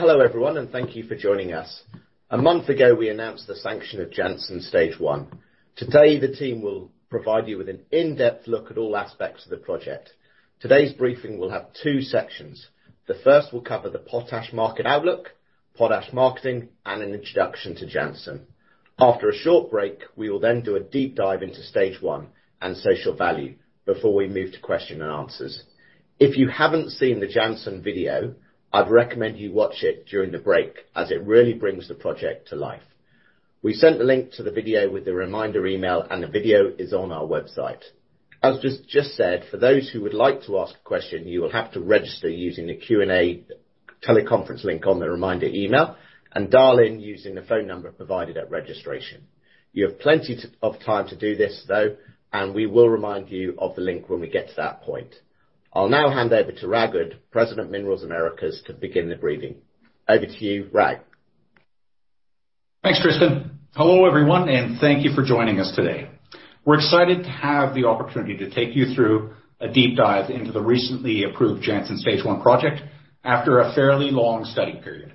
Hello everyone, thank you for joining us. A month ago, we announced the sanction of Jansen Stage I. Today, the team will provide you with an in-depth look at all aspects of the project. Today's briefing will have two sections. The first will cover the potash market outlook, potash marketing, and an introduction to Jansen. After a short break, we will then do a deep dive into Stage I and social value before we move to question and answers. If you haven't seen the Jansen video, I'd recommend you watch it during the break as it really brings the project to life. We sent the link to the video with the reminder email, the video is on our website. As just said, for those who would like to ask a question, you will have to register using the Q&A teleconference link on the reminder email and dial in using the phone number provided at registration. You have plenty of time to do this though, and we will remind you of the link when we get to that point. I'll now hand over to Rag Udd, President of Minerals Americas, to begin the briefing. Over to you, Rag. Thanks, Tristan. Hello, everyone, and thank you for joining us today. We're excited to have the opportunity to take you through a deep dive into the recently approved Jansen Stage I project after a fairly long study period.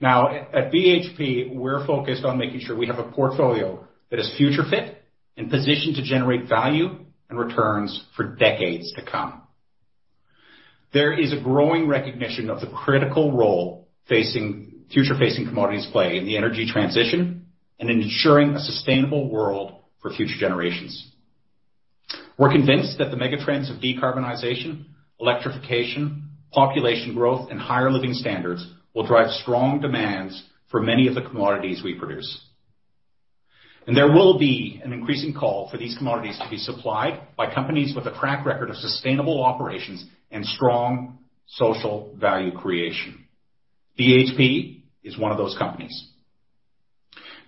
Now at BHP, we're focused on making sure we have a portfolio that is future fit and positioned to generate value and returns for decades to come. There is a growing recognition of the critical role future-facing commodities play in the energy transition and in ensuring a sustainable world for future generations. We're convinced that the megatrends of decarbonization, electrification, population growth, and higher living standards will drive strong demands for many of the commodities we produce. There will be an increasing call for these commodities to be supplied by companies with a track record of sustainable operations and strong social value creation. BHP is one of those companies.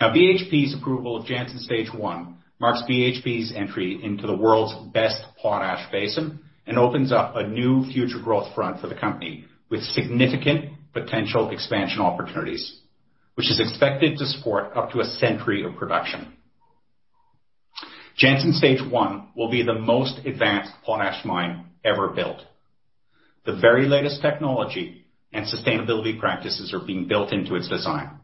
BHP's approval of Jansen Stage I marks BHP's entry into the world's best potash basin and opens up a new future growth front for the company with significant potential expansion opportunities, which is expected to support up to a century of production. Jansen Stage I will be the most advanced potash mine ever built. The very latest technology and sustainability practices are being built into its design.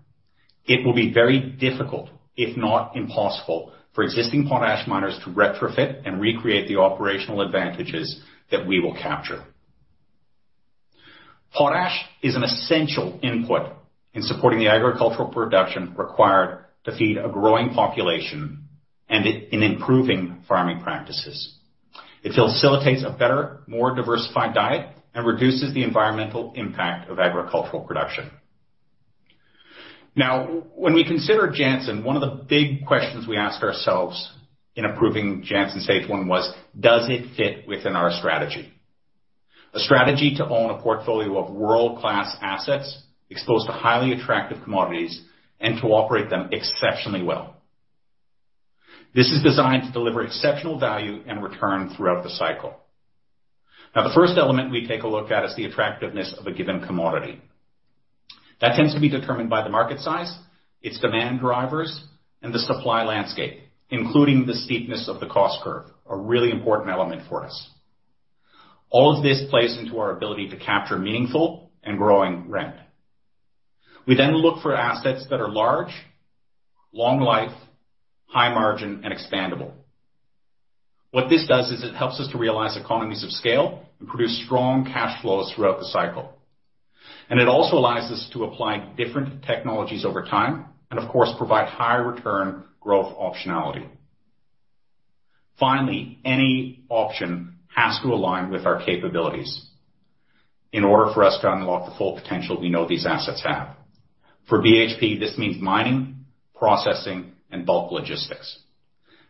It will be very difficult, if not impossible, for existing potash miners to retrofit and recreate the operational advantages that we will capture. Potash is an essential input in supporting the agricultural production required to feed a growing population and in improving farming practices. It facilitates a better, more diversified diet and reduces the environmental impact of agricultural production. When we consider Jansen, one of the big questions we asked ourselves in approving Jansen Stage I was, does it fit within our strategy? A strategy to own a portfolio of world-class assets exposed to highly attractive commodities and to operate them exceptionally well. This is designed to deliver exceptional value and return throughout the cycle. The first element we take a look at is the attractiveness of a given commodity. That tends to be determined by the market size, its demand drivers, and the supply landscape, including the steepness of the cost curve, a really important element for us. All of this plays into our ability to capture meaningful and growing rent. We look for assets that are large, long life, high margin, and expandable. What this does is it helps us to realize economies of scale and produce strong cash flows throughout the cycle. It also allows us to apply different technologies over time and, of course, provide high return growth optionality. Finally, any option has to align with our capabilities in order for us to unlock the full potential we know these assets have. For BHP, this means mining, processing, and bulk logistics,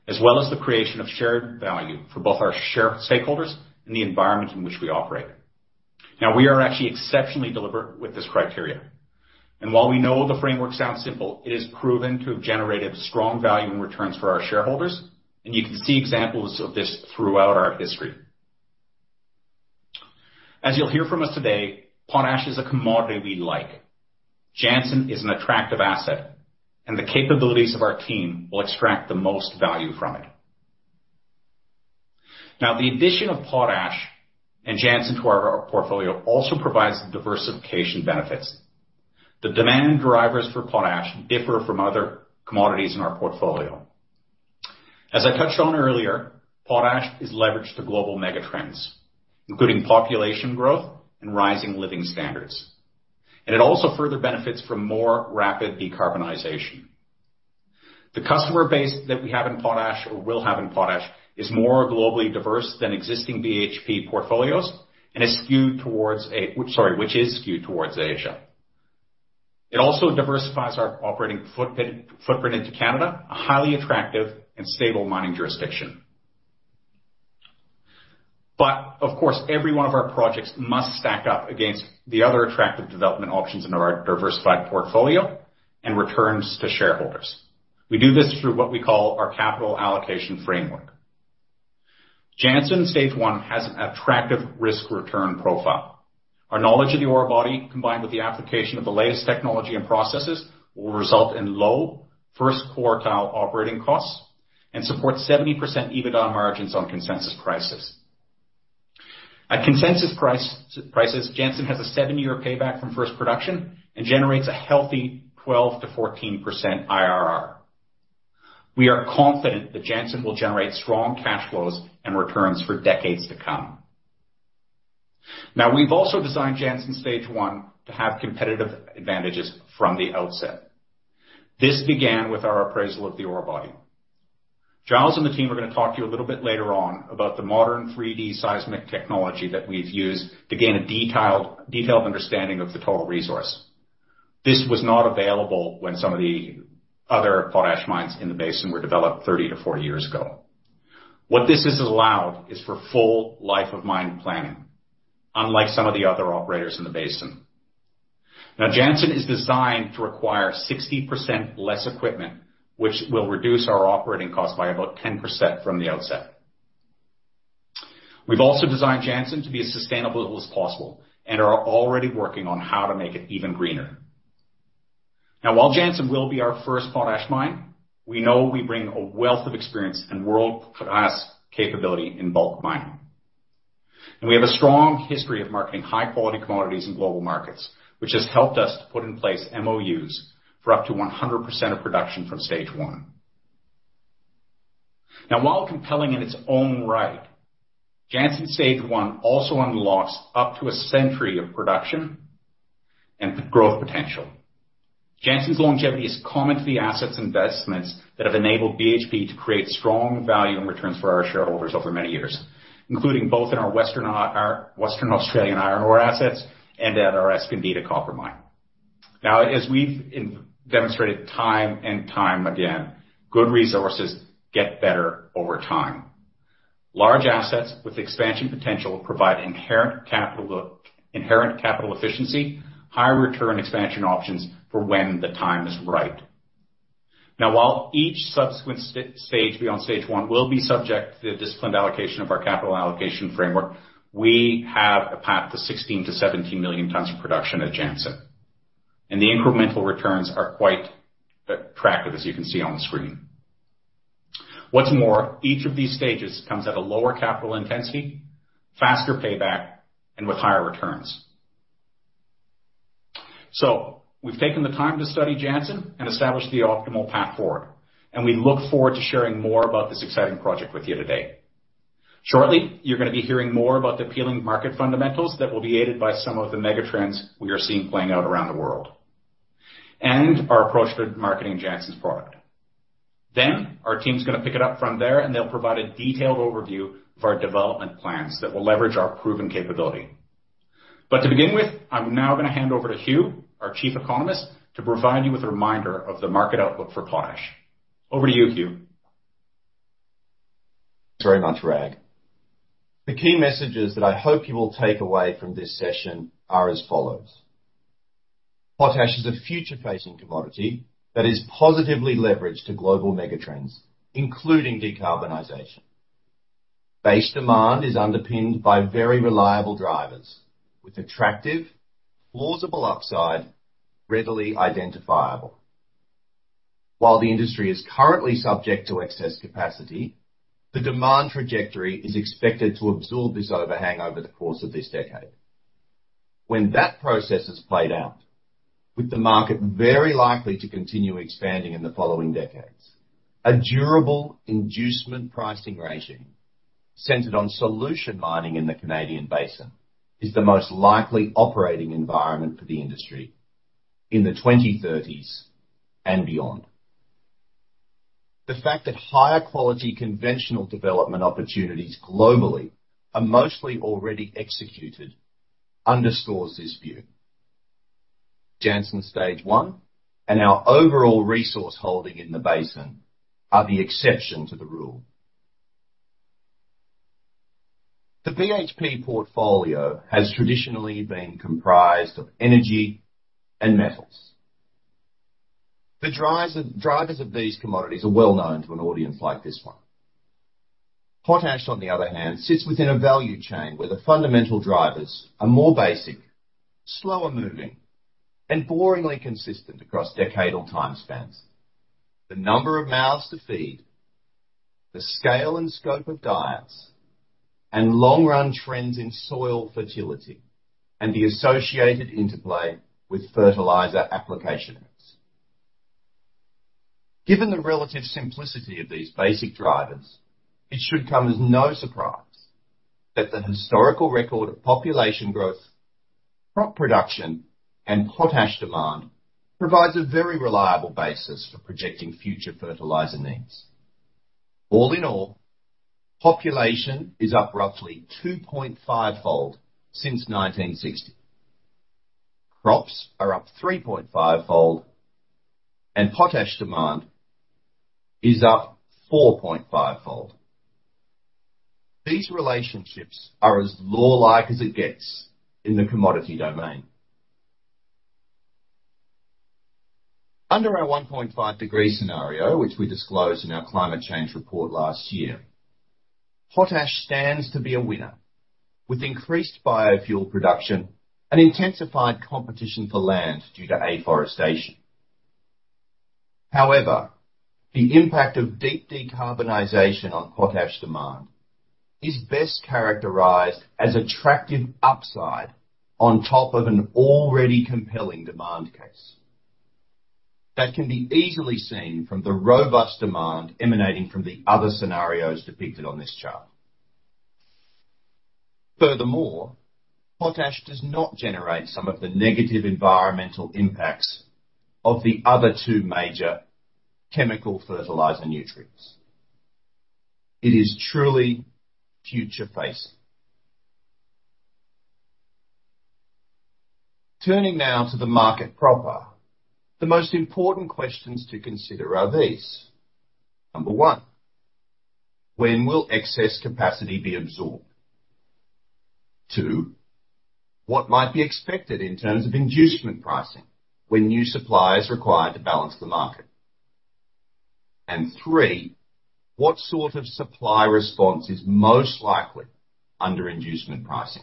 as well as the creation of shared value for both our shareholders and the environment in which we operate. We are actually exceptionally deliberate with this criteria. While we know the framework sounds simple, it is proven to have generated strong value and returns for our shareholders, and you can see examples of this throughout our history. As you'll hear from us today, potash is a commodity we like. Jansen is an attractive asset, and the capabilities of our team will extract the most value from it. The addition of potash and Jansen to our portfolio also provides diversification benefits. The demand drivers for potash differ from other commodities in our portfolio. As I touched on earlier, potash is leveraged to global megatrends, including population growth and rising living standards. It also further benefits from more rapid decarbonization. The customer base that we have in potash or will have in potash is more globally diverse than existing BHP portfolios and is skewed towards Asia. It also diversifies our operating footprint into Canada, a highly attractive and stable mining jurisdiction. Of course, every one of our projects must stack up against the other attractive development options in our diversified portfolio and returns to shareholders. We do this through what we call our capital allocation framework. Jansen Stage I has an attractive risk-return profile. Our knowledge of the ore body, combined with the application of the latest technology and processes, will result in low first quartile operating costs and support 70% EBITDA margins on consensus prices. At consensus prices, Jansen has a seven-year payback from first production and generates a healthy 12%-14% IRR. We are confident that Jansen will generate strong cash flows and returns for decades to come. We've also designed Jansen Stage I to have competitive advantages from the outset. This began with our appraisal of the ore body. Giles and the team are going to talk to you a little bit later on about the modern 3D seismic technology that we've used to gain a detailed understanding of the total resource. This was not available when some of the other potash mines in the basin were developed 30-40 years ago. What this has allowed is for full life of mine planning, unlike some of the other operators in the basin. Jansen is designed to require 60% less equipment, which will reduce our operating cost by about 10% from the outset. We've also designed Jansen to be as sustainable as possible and are already working on how to make it even greener. While Jansen will be our first potash mine, we know we bring a wealth of experience and world-class capability in bulk mining. We have a strong history of marketing high-quality commodities in global markets, which has helped us to put in place MoUs for up to 100% of production from Stage I. While compelling in its own right, Jansen Stage I also unlocks up to a century of production and growth potential. Jansen's longevity is common to the assets investments that have enabled BHP to create strong value and returns for our shareholders over many years, including both in our Western Australian iron ore assets and at our Escondida copper mine. Now, as we've demonstrated time and time again, good resources get better over time. Large assets with expansion potential provide inherent capital efficiency, high return expansion options for when the time is right. Now, while each subsequent stage beyond Stage I will be subject to the disciplined allocation of our capital allocation framework, we have a path to 16 million-17 million tonnes of production at Jansen, and the incremental returns are quite attractive, as you can see on the screen. What's more, each of these stages comes at a lower capital intensity, faster payback, and with higher returns. We've taken the time to study Jansen and establish the optimal path forward, and we look forward to sharing more about this exciting project with you today. Shortly, you're going to be hearing more about the appealing market fundamentals that will be aided by some of the megatrends we are seeing playing out around the world, and our approach to marketing Jansen's product. Our team's going to pick it up from there, and they'll provide a detailed overview of our development plans that will leverage our proven capability. To begin with, I'm now going to hand over to Huw, our Chief Economist, to provide you with a reminder of the market outlook for potash. Over to you, Huw. Thanks very much, Rag. The key messages that I hope you will take away from this session are as follows. Potash is a future-facing commodity that is positively leveraged to global megatrends, including decarbonization. Base demand is underpinned by very reliable drivers, with attractive, plausible upside, readily identifiable. While the industry is currently subject to excess capacity, the demand trajectory is expected to absorb this overhang over the course of this decade. When that process is played out, with the market very likely to continue expanding in the following decades, a durable inducement pricing regime centered on solution mining in the Canadian basin is the most likely operating environment for the industry in the 2030s and beyond. The fact that higher quality conventional development opportunities globally are mostly already executed underscores this view. Jansen Stage I and our overall resource holding in the basin are the exception to the rule. The BHP portfolio has traditionally been comprised of energy and metals. The drivers of these commodities are well-known to an audience like this one. Potash, on the other hand, sits within a value chain where the fundamental drivers are more basic, slower moving, and boringly consistent across decadal time spans. The number of mouths to feed, the scale and scope of diets, and long-run trends in soil fertility and the associated interplay with fertilizer application rates. Given the relative simplicity of these basic drivers, it should come as no surprise that the historical record of population growth, crop production, and potash demand provides a very reliable basis for projecting future fertilizer needs. All in all, population is up roughly 2.5x since 1960. Crops are up 3.5x and potash demand is up 4.5x. These relationships are as law-like as it gets in the commodity domain. Under our 1.5 degree scenario, which we disclosed in our climate change report last year, potash stands to be a winner with increased biofuel production and intensified competition for land due to afforestation. However, the impact of deep decarbonization on potash demand is best characterized as attractive upside on top of an already compelling demand case. That can be easily seen from the robust demand emanating from the other scenarios depicted on this chart. Furthermore, potash does not generate some of the negative environmental impacts of the other two major chemical fertilizer nutrients. It is truly future-facing. Turning now to the market proper, the most important questions to consider are these. Number one, when will excess capacity be absorbed? Number two, what might be expected in terms of inducement pricing when new supply is required to balance the market? Number three, what sort of supply response is most likely under inducement pricing?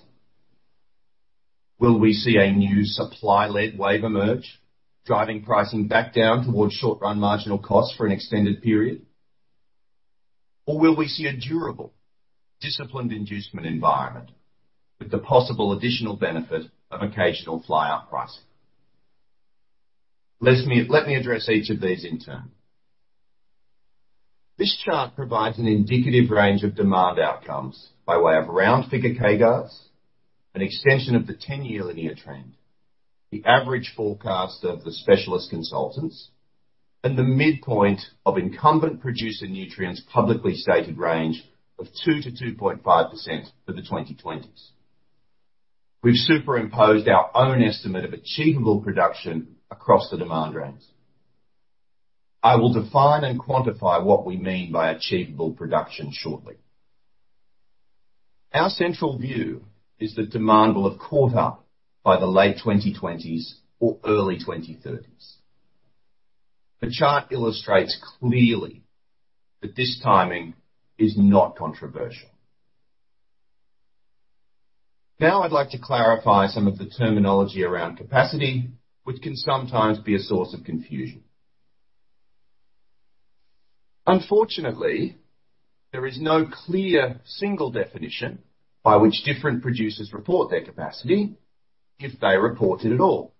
Will we see a new supply-led wave emerge, driving pricing back down towards short-run marginal costs for an extended period? Will we see a durable, disciplined inducement environment with the possible additional benefit of occasional fly-up pricing? Let me address each of these in turn. This chart provides an indicative range of demand outcomes by way of round figure CAGRs, an extension of the 10-year linear trend, the average forecast of the specialist consultants, and the midpoint of incumbent producer Nutrien’s publicly stated range of 2%-2.5% for the 2020s. We've superimposed our own estimate of achievable production across the demand range. I will define and quantify what we mean by achievable production shortly. Our central view is that demand will have caught up by the late 2020s or early 2030s. The chart illustrates clearly that this timing is not controversial. I'd like to clarify some of the terminology around capacity, which can sometimes be a source of confusion. Unfortunately, there is no clear single definition by which different producers report their capacity, if they report it at all.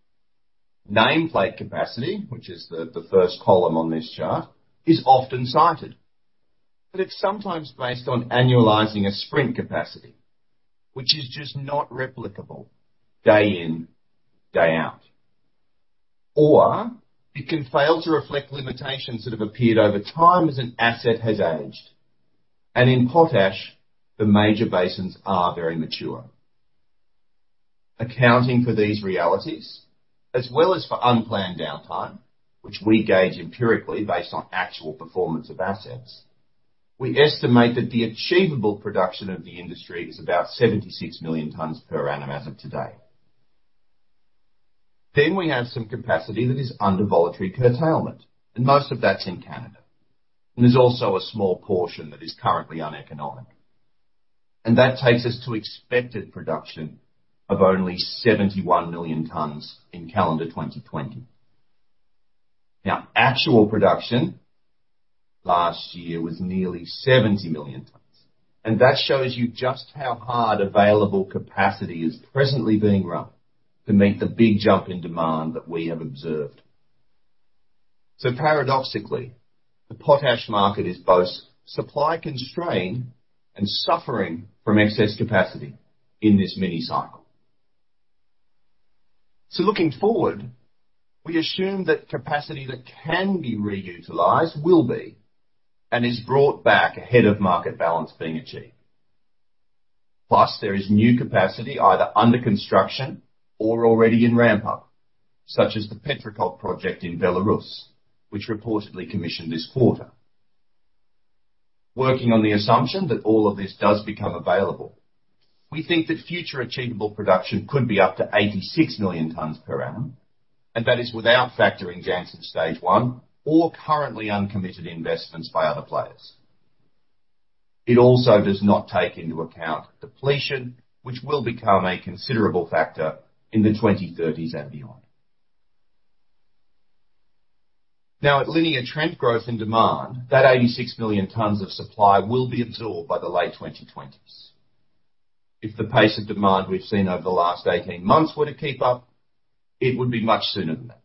Nameplate capacity, which is the first column on this chart, is often cited, but it's sometimes based on annualizing a spring capacity, which is just not replicable day in, day out. It can fail to reflect limitations that have appeared over time as an asset has aged. In potash, the major basins are very mature. Accounting for these realities, as well as for unplanned downtime, which we gauge empirically based on actual performance of assets, we estimate that the achievable production of the industry is about 76 million tonnes per annum as of today. We have some capacity that is under voluntary curtailment, and most of that's in Canada. There's also a small portion that is currently uneconomic. That takes us to expected production of only 71 million tonnes in calendar 2020. Now, actual production last year was nearly 70 million tonnes, and that shows you just how hard available capacity is presently being run to meet the big jump in demand that we have observed. Paradoxically, the potash market is both supply-constrained and suffering from excess capacity in this mini cycle. Looking forward, we assume that capacity that can be reutilized will be and is brought back ahead of market balance being achieved. Plus, there is new capacity either under construction or already in ramp-up, such as the Petrikov project in Belarus, which reportedly commissioned this quarter. Working on the assumption that all of this does become available, we think that future achievable production could be up to 86 million tonnes per annum, and that is without factoring Jansen Stage I or currently uncommitted investments by other players. It also does not take into account depletion, which will become a considerable factor in the 2030s and beyond. Now at linear trend growth and demand, that 86 million tonnes of supply will be absorbed by the late 2020s. If the pace of demand we've seen over the last 18 months were to keep up, it would be much sooner than that.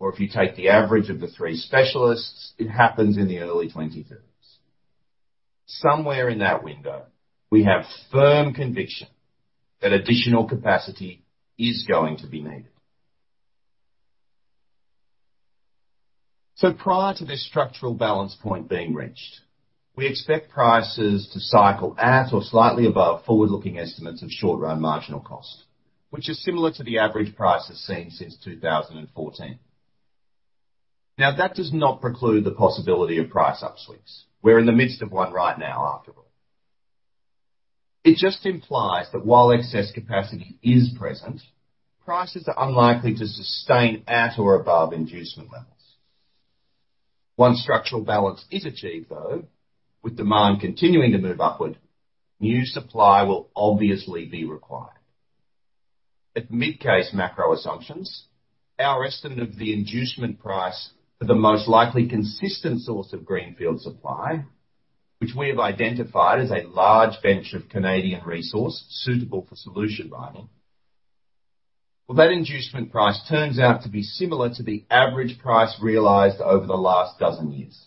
If you take the average of the three specialists, it happens in the early 2030s. Somewhere in that window, we have firm conviction that additional capacity is going to be needed. Prior to this structural balance point being reached, we expect prices to cycle at or slightly above forward-looking estimates of short-run marginal cost, which is similar to the average prices seen since 2014. That does not preclude the possibility of price upswings. We're in the midst of one right now, after all. It just implies that while excess capacity is present, prices are unlikely to sustain at or above inducement levels. Once structural balance is achieved, though, with demand continuing to move upward, new supply will obviously be required. At mid-case macro assumptions, our estimate of the inducement price for the most likely consistent source of greenfield supply, which we have identified as a large bench of Canadian resource suitable for solution mining. That inducement price turns out to be similar to the average price realized over the last dozen years,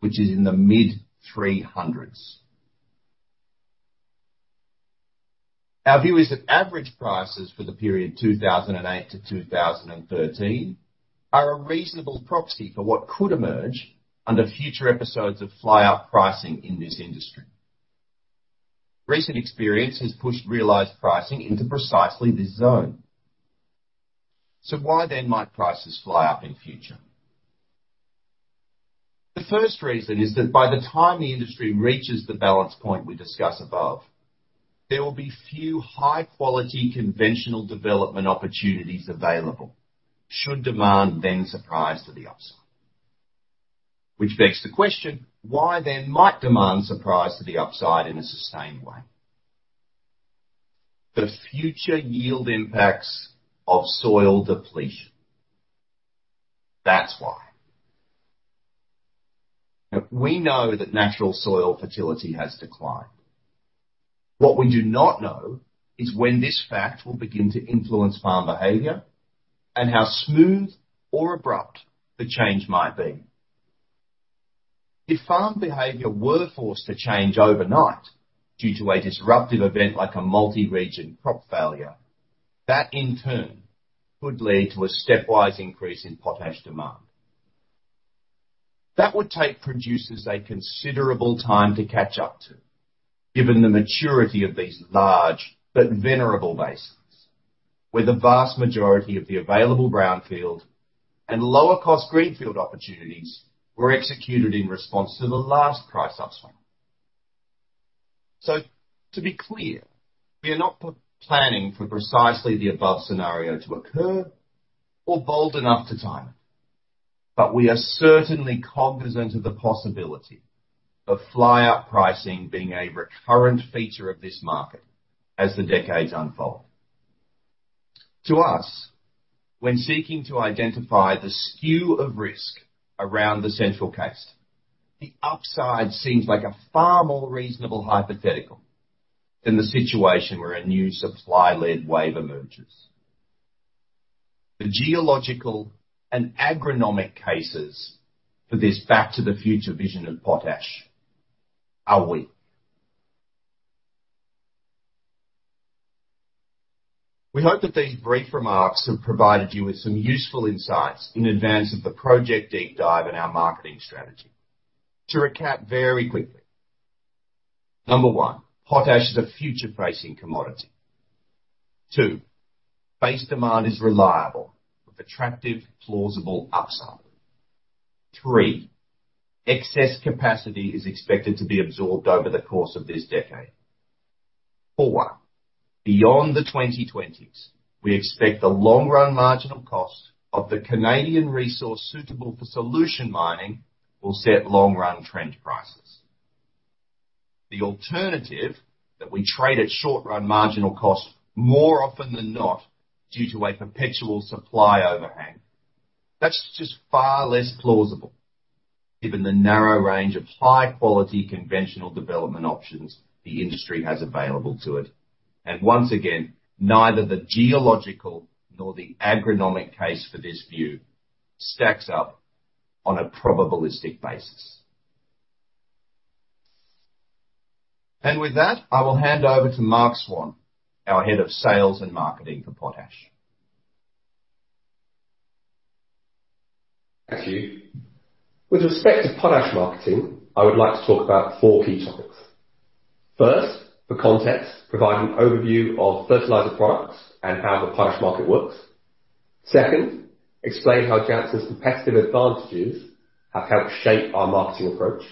which is in the mid-$300s. Our view is that average prices for the period 2008-2013 are a reasonable proxy for what could emerge under future episodes of fly-up pricing in this industry. Recent experience has pushed realized pricing into precisely this zone. Why then might prices fly up in future? The first reason is that by the time the industry reaches the balance point we discuss above, there will be few high-quality conventional development opportunities available should demand then surprise to the upside. Begs the question, why then might demand surprise to the upside in a sustained way? The future yield impacts of soil depletion. That's why. We know that natural soil fertility has declined. What we do not know is when this fact will begin to influence farm behavior and how smooth or abrupt the change might be. If farm behavior were forced to change overnight due to a disruptive event like a multi-region crop failure, that in turn could lead to a stepwise increase in potash demand. That would take producers a considerable time to catch up to, given the maturity of these large but venerable basins, where the vast majority of the available brownfield and lower-cost greenfield opportunities were executed in response to the last price upswing. To be clear, we are not planning for precisely the above scenario to occur or bold enough to time it, but we are certainly cognizant of the possibility of fly-up pricing being a recurrent feature of this market as the decades unfold. To us, when seeking to identify the skew of risk around the central case, the upside seems like a far more reasonable hypothetical than the situation where a new supply-led wave emerges. The geological and agronomic cases for this back to the future vision of potash are weak. We hope that these brief remarks have provided you with some useful insights in advance of the project deep dive in our marketing strategy. To recap very quickly. One. Potash is a future-facing commodity. Two. Base demand is reliable with attractive, plausible upside. Three. Excess capacity is expected to be absorbed over the course of this decade. Four. Beyond the 2020s, we expect the long-run marginal cost of the Canadian resource suitable for solution mining will set long-run trend prices. The alternative that we trade at short-run marginal cost more often than not due to a perpetual supply overhang. That's just far less plausible given the narrow range of high-quality conventional development options the industry has available to it. Once again, neither the geological nor the agronomic case for this view stacks up on a probabilistic basis. With that, I will hand over to Mark Swan, our Head of Sales and Marketing for Potash. Thank you. With respect to potash marketing, I would like to talk about four key topics. First, for context, provide an overview of fertilizer products and how the potash market works. Second, explain how Jansen's competitive advantages have helped shape our marketing approach.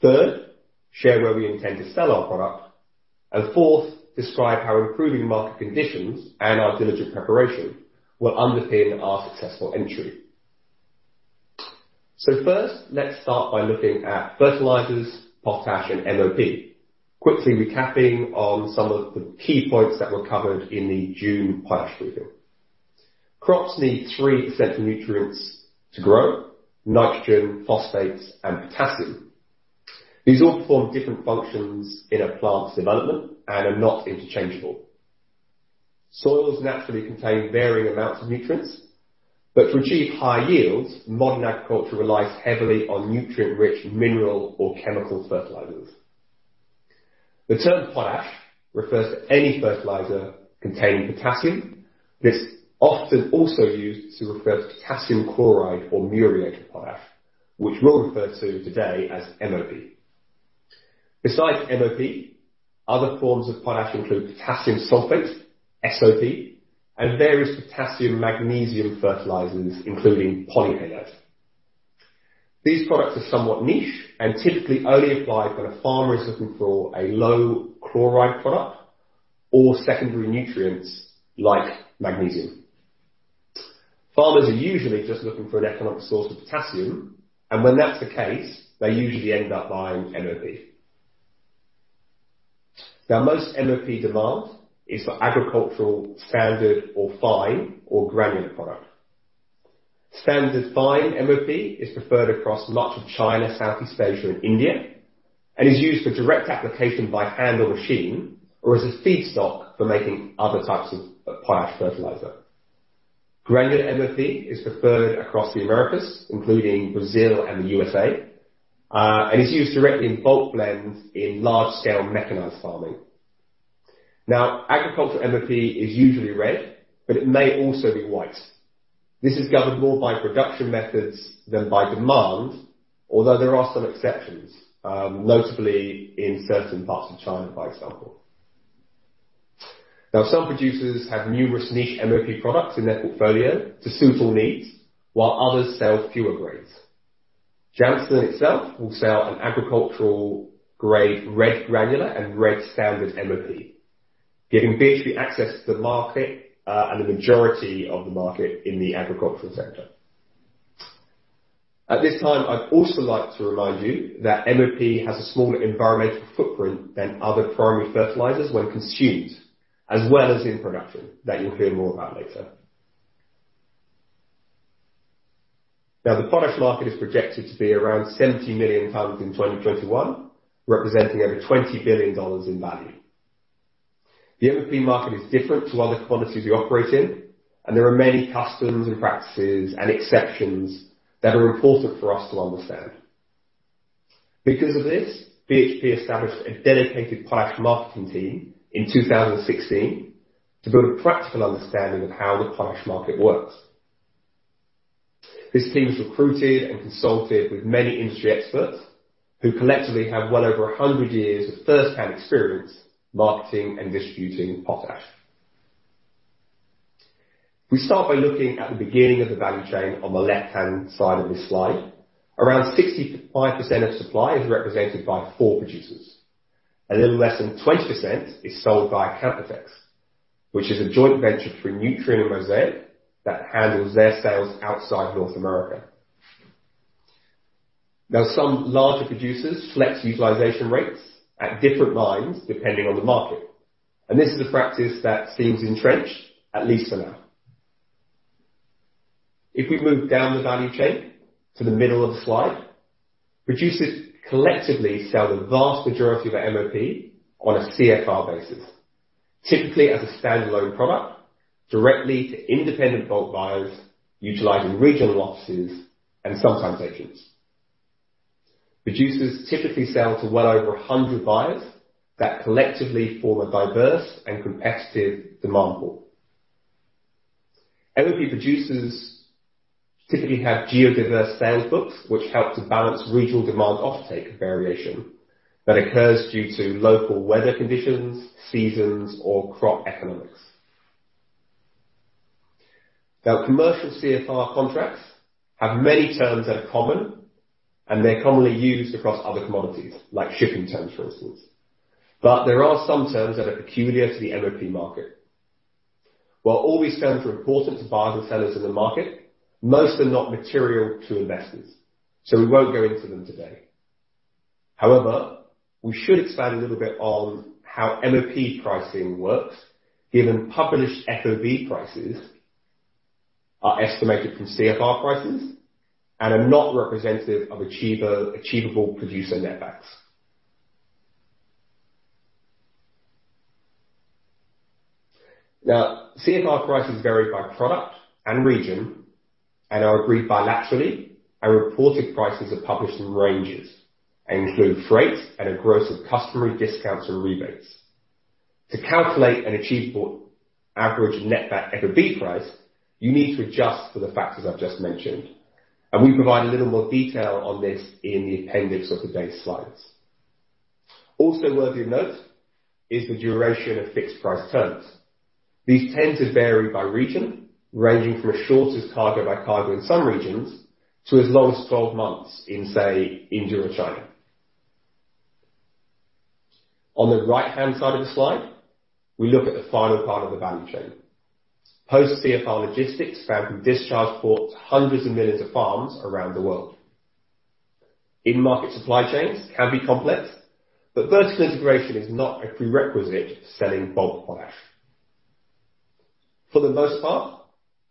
Third, share where we intend to sell our product. Fourth, describe how improving market conditions and our diligent preparation will underpin our successful entry. First, let's start by looking at fertilizers, potash, and MOP. Quickly recapping on some of the key points that were covered in the June potash briefing. Crops need three essential nutrients to grow: nitrogen, phosphates, and potassium. These all form different functions in a plant's development and are not interchangeable. Soils naturally contain varying amounts of nutrients, but to achieve high yields, modern agriculture relies heavily on nutrient-rich mineral or chemical fertilizers. The term potash refers to any fertilizer containing potassium. This often also used to refer to potassium chloride or muriate of potash, which we'll refer to today as MOP. Besides MOP, other forms of potash include potassium sulfate, SOP, and various potassium magnesium fertilizers, including polyhalite. These products are somewhat niche and typically only applied when a farmer is looking for a low chloride product or secondary nutrients like magnesium. Farmers are usually just looking for an economic source of potassium, and when that's the case, they usually end up buying MOP. Most MOP demand is for agricultural standard or fine or granular product. Standard fine MOP is preferred across much of China, Southeast Asia, and India, and is used for direct application by hand or machine, or as a feedstock for making other types of potash fertilizer. Granular MOP is preferred across the Americas, including Brazil and the USA, and is used directly in bulk blends in large-scale mechanized farming. Now, agricultural MOP is usually red, but it may also be white. This is governed more by production methods than by demand, although there are some exceptions, notably in certain parts of China, for example. Now, some producers have numerous niche MOP products in their portfolio to suit all needs, while others sell fewer grades. Jansen itself will sell an agricultural grade red granular and red standard MOP, giving BHP access to the market and the majority of the market in the agricultural sector. At this time, I'd also like to remind you that MOP has a smaller environmental footprint than other primary fertilizers when consumed, as well as in production that you'll hear more about later. The potash market is projected to be around 70 million tonnes in 2021, representing over $20 billion in value. The MOP market is different to other commodities we operate in, and there are many customs and practices and exceptions that are important for us to understand. Because of this, BHP established a dedicated potash marketing team in 2016 to build a practical understanding of how the potash market works. This team has recruited and consulted with many industry experts who collectively have well over 100 years of firsthand experience marketing and distributing potash. We start by looking at the beginning of the value chain on the left-hand side of this slide. Around 65% of supply is represented by four producers. A little less than 20% is sold by Canpotex, which is a joint venture between Nutrien and Mosaic that handles their sales outside North America. Now, some larger producers flex utilization rates at different mines depending on the market, and this is a practice that seems entrenched, at least for now. If we move down the value chain to the middle of the slide, producers collectively sell the vast majority of MOP on a CFR basis, typically as a standalone product directly to independent bulk buyers utilizing regional offices and sometimes agents. Producers typically sell to well over 100 buyers that collectively form a diverse and competitive demand pool. MOP producers typically have geo-diverse sales books, which help to balance regional demand offtake variation that occurs due to local weather conditions, seasons, or crop economics. Now, commercial CFR contracts have many terms that are common, and they're commonly used across other commodities, like shipping terms, for instance. There are some terms that are peculiar to the MOP market. While all these terms are important to buyers and sellers in the market, most are not material to investors, so we won't go into them today. However, we should expand a little bit on how MOP pricing works, given published FOB prices are estimated from CFR prices and are not representative of achievable producer netbacks. CFR prices vary by product and region and are agreed bilaterally, and reported prices are published in ranges and include freight and a gross of customary discounts or rebates. To calculate an achievable average netback FOB price, you need to adjust for the factors I've just mentioned, and we provide a little more detail on this in the appendix of today's slides. Worthy of note is the duration of fixed price terms. These tend to vary by region, ranging from as short as cargo by cargo in some regions to as long as 12 months in, say, India or China. On the right-hand side of the slide, we look at the final part of the value chain. Post CFR logistics span from discharge port to hundreds of millions of farms around the world. End market supply chains can be complex, but vertical integration is not a prerequisite for selling bulk potash. For the most part,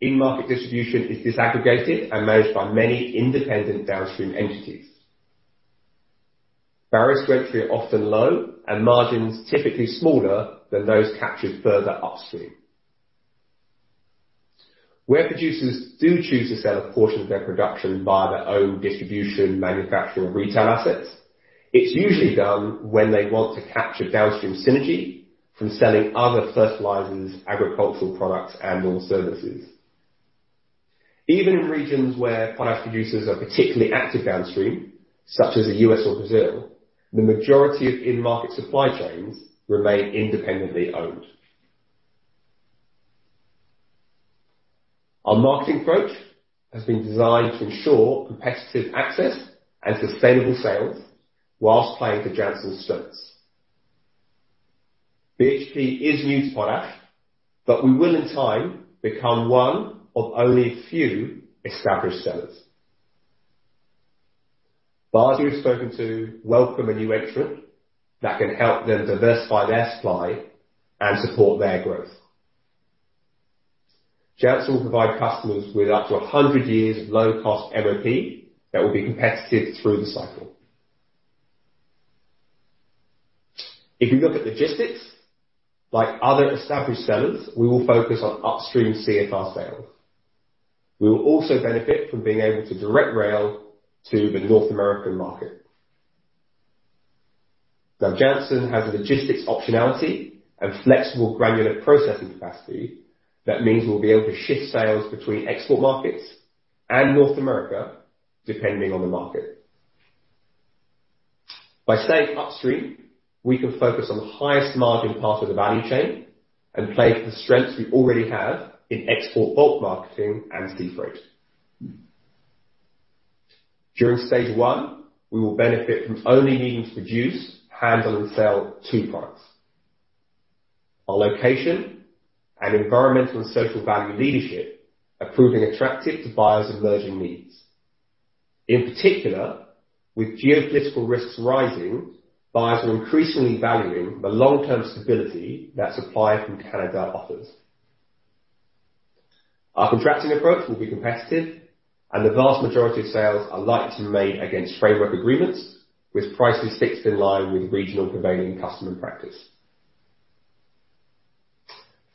end market distribution is disaggregated and managed by many independent downstream entities. Barriers to entry are often low and margins typically smaller than those captured further upstream. Where producers do choose to sell a portion of their production via their own distribution, manufacturing, or retail assets, it's usually done when they want to capture downstream synergy from selling other fertilizers, agricultural products, and/or services. Even in regions where potash producers are particularly active downstream, such as the U.S. or Brazil, the majority of end market supply chains remain independently owned. Our marketing approach has been designed to ensure competitive access and sustainable sales whilst playing to Jansen's strengths. BHP is new to potash, but we will in time become one of only a few established sellers. Buyers we've spoken to welcome a new entrant that can help them diversify their supply and support their growth. Jansen will provide customers with up to 100 years of low-cost MOP that will be competitive through the cycle. If you look at logistics, like other established sellers, we will focus on upstream CFR sales. We will also benefit from being able to direct rail to the North American market. Now Jansen has a logistics optionality and flexible granular processing capacity that means we'll be able to shift sales between export markets and North America depending on the market. By staying upstream, we can focus on the highest margin part of the value chain and play to the strengths we already have in export bulk marketing and sea freight. During Stage I, we will benefit from only needing to produce, handle, and sell two products. Our location and environmental and social value leadership are proving attractive to buyers' emerging needs. In particular, with geopolitical risks rising, buyers are increasingly valuing the long-term stability that supply from Canada offers. Our contracting approach will be competitive and the vast majority of sales are likely to be made against framework agreements with prices fixed in line with regional prevailing customer practice.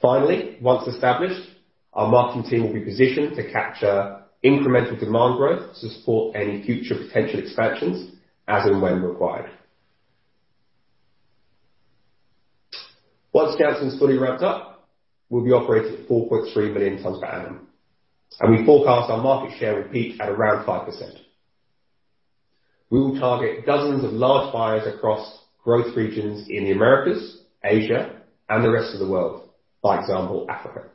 Finally, once established, our marketing team will be positioned to capture incremental demand growth to support any future potential expansions as and when required. Once Jansen's fully ramped up, we'll be operating at 4.3 million tonnes per annum, and we forecast our market share will peak at around 5%. We will target dozens of large buyers across growth regions in the Americas, Asia, and the rest of the world, for example, Africa.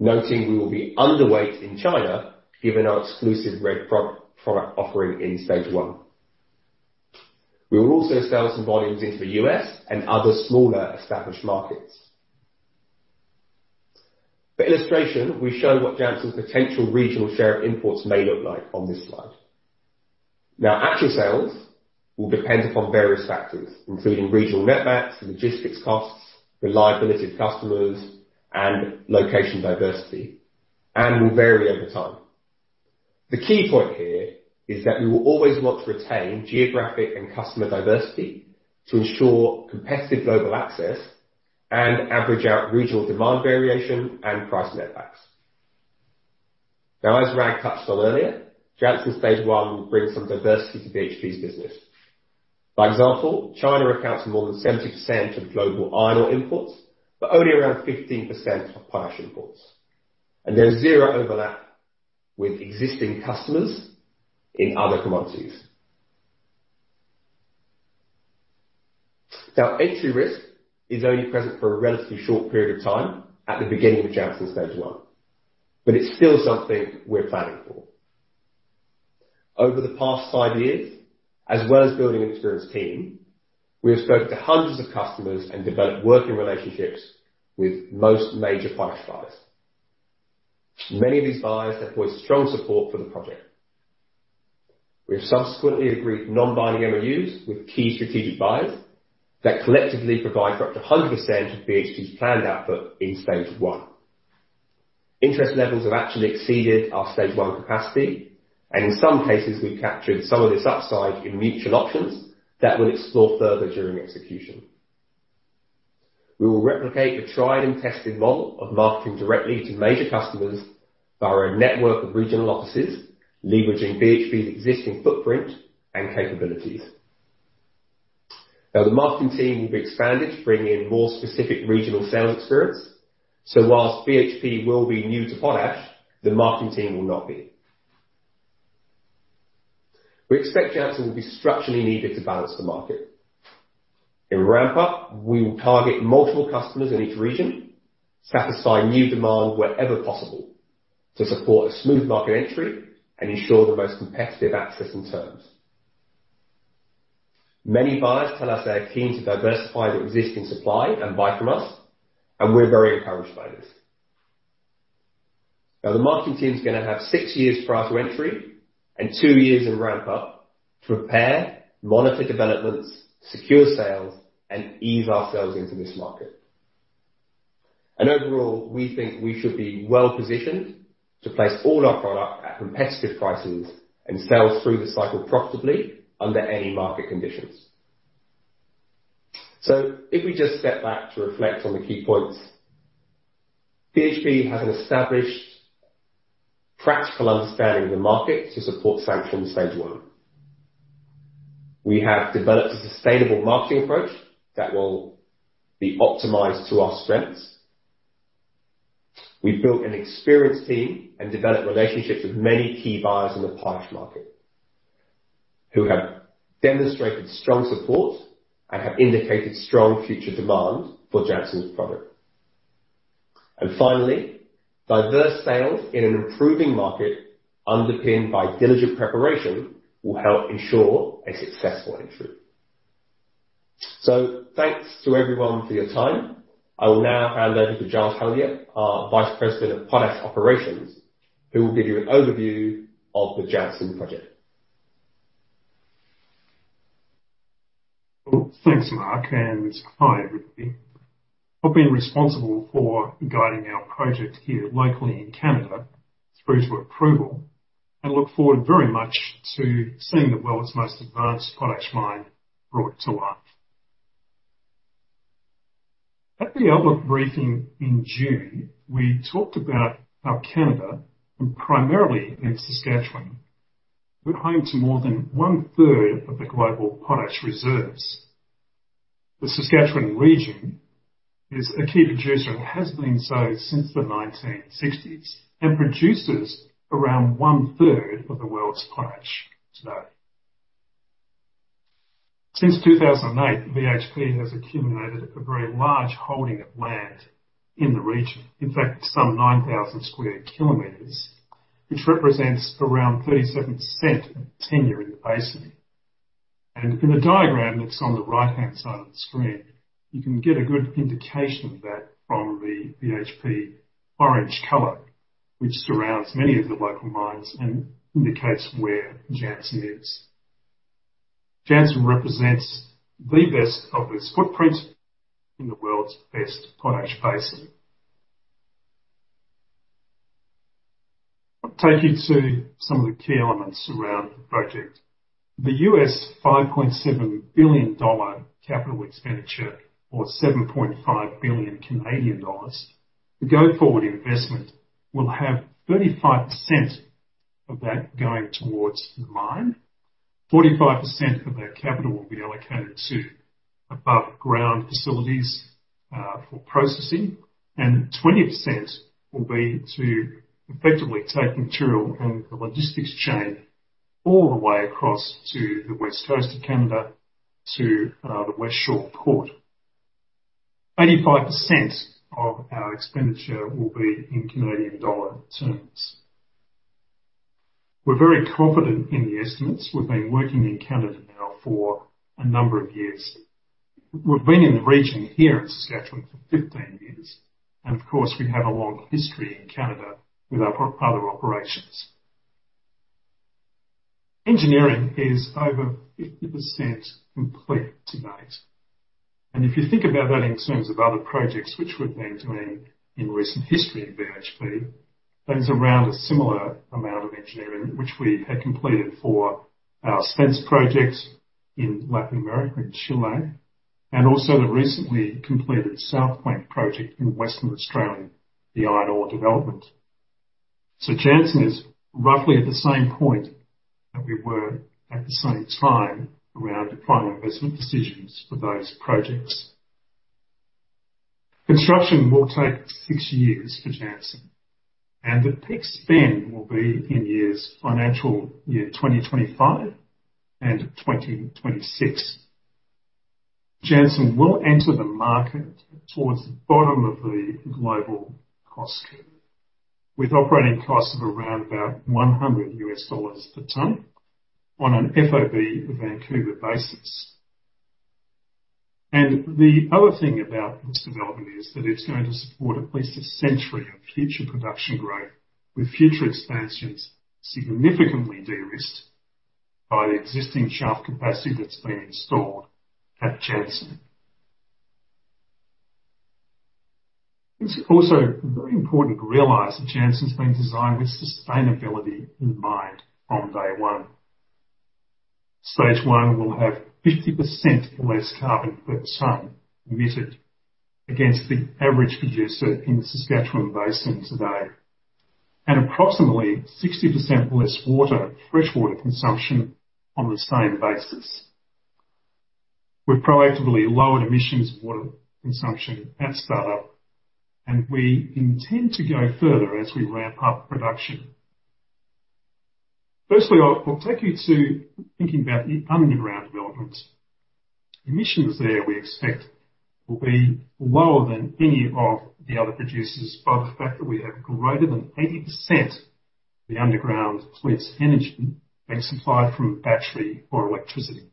Noting we will be underweight in China given our exclusive red product offering in Stage I. We will also sell some volumes into the U.S. and other smaller established markets. For illustration, we've shown what Jansen's potential regional share of imports may look like on this slide. Now, actual sales will depend upon various factors, including regional net backs, logistics costs, reliability of customers, and location diversity, and will vary over time. The key point here is that we will always want to retain geographic and customer diversity to ensure competitive global access and average out regional demand variation and price net backs. As Rag touched on earlier, Jansen Stage I will bring some diversity to BHP's business. By example, China accounts for more than 70% of global iron ore imports, but only around 15% of potash imports. There's zero overlap with existing customers in other commodities. Entry risk is only present for a relatively short period of time at the beginning of Jansen Stage I, but it's still something we're planning for. Over the past five years, as well as building an experienced team, we have spoken to hundreds of customers and developed working relationships with most major potash buyers. Many of these buyers have voiced strong support for the project. We have subsequently agreed non-binding MoUs with key strategic buyers that collectively provide for up to 100% of BHP's planned output in Stage I. Interest levels have actually exceeded our Stage I capacity, and in some cases, we've captured some of this upside in mutual options that we'll explore further during execution. We will replicate the tried and tested model of marketing directly to major customers via our network of regional offices, leveraging BHP's existing footprint and capabilities. The marketing team will be expanded to bring in more specific regional sales experience. While BHP will be new to potash, the marketing team will not be. We expect Jansen will be structurally needed to balance the market. In ramp up, we will target multiple customers in each region, satisfy new demand wherever possible to support a smooth market entry and ensure the most competitive access and terms. Many buyers tell us they are keen to diversify their existing supply and buy from us. We're very encouraged by this. The marketing team is going to have six years prior to entry and two years in ramp up to prepare, monitor developments, secure sales, and ease ourselves into this market. Overall, we think we should be well-positioned to place all our product at competitive prices and sell through the cycle profitably under any market conditions. If we just step back to reflect on the key points. BHP has an established practical understanding of the market to support Jansen Stage I. We have developed a sustainable marketing approach that will be optimized to our strengths. We've built an experienced team and developed relationships with many key buyers in the potash market who have demonstrated strong support and have indicated strong future demand for Jansen's product. Finally, diverse sales in an improving market underpinned by diligent preparation will help ensure a successful entry. Thanks to everyone for your time. I will now hand over to Giles Hellyer, our Vice President of Potash Operations, who will give you an overview of the Jansen project. Well, thanks, Mark, and hi, everybody. I've been responsible for guiding our project here locally in Canada through to approval and look forward very much to seeing the world's most advanced potash mine brought to life. At the Outlook briefing in June, we talked about how Canada, and primarily in Saskatchewan, we're home to more than one-third of the global potash reserves. The Saskatchewan region is a key producer and has been so since the 1960s, and produces around one-third of the world's potash today. Since 2008, BHP has accumulated a very large holding of land in the region. In fact, some 9,000 sq km, which represents around 37% of tenure in the basin. In the diagram that's on the right-hand side of the screen, you can get a good indication of that from the BHP orange color, which surrounds many of the local mines and indicates where Jansen is. Jansen represents the best of this footprint in the world's best potash basin. I'll take you to some of the key elements around the project. The $5.7 billion capital expenditure or 7.5 billion Canadian dollars. The go-forward investment will have 35% of that going towards the mine, 45% of that capital will be allocated to above ground facilities for processing, and 20% will be to effectively take material and the logistics chain all the way across to the west coast of Canada to the Westshore port. 85% of our expenditure will be in Canadian dollar terms. We're very confident in the estimates. We've been working in Canada now for a number of years. We've been in the region here in Saskatchewan for 15 years. Of course, we have a long history in Canada with our other operations. Engineering is over 50% complete to date. If you think about that in terms of other projects, which we've been doing in recent history at BHP, that is around a similar amount of engineering, which we had completed for our Spence projects in Latin America, in Chile, and also the recently completed South Flank project in Western Australia, the iron ore development. Jansen is roughly at the same point that we were at the same time around final investment decisions for those projects. Construction will take six years for Jansen, and the peak spend will be in years, financial year 2025 and 2026. Jansen will enter the market towards the bottom of the global cost curve with operating costs of around about $100 per ton on an FOB Vancouver basis. The other thing about this development is that it's going to support at least a century of future production growth, with future expansions significantly de-risked by the existing shaft capacity that's been installed at Jansen. It's also very important to realize that Jansen's been designed with sustainability in mind from day one. Stage I will have 50% less carbon per ton emitted against the average producer in the Saskatchewan Basin today, and approximately 60% less water, freshwater consumption on the same basis. We've proactively lowered emissions, water consumption at start-up, and we intend to go further as we ramp up production. Firstly, I'll take you to thinking about the underground developments. Emissions there we expect will be lower than any of the other producers by the fact that we have greater than 80% of the underground fleet's energy being supplied from battery or electricity.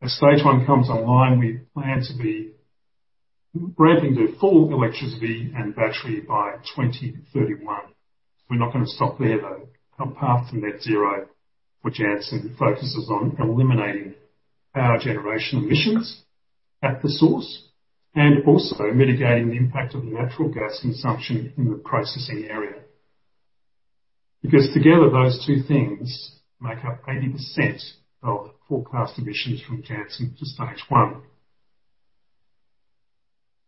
As Stage I comes online, we plan to be ramping to full electricity and battery by 2031. We're not going to stop there, though. Our path to net zero for Jansen focuses on eliminating power generation emissions at the source and also mitigating the impact of natural gas consumption in the processing area. Together, those two things make up 80% of the forecast emissions from Jansen to Stage I.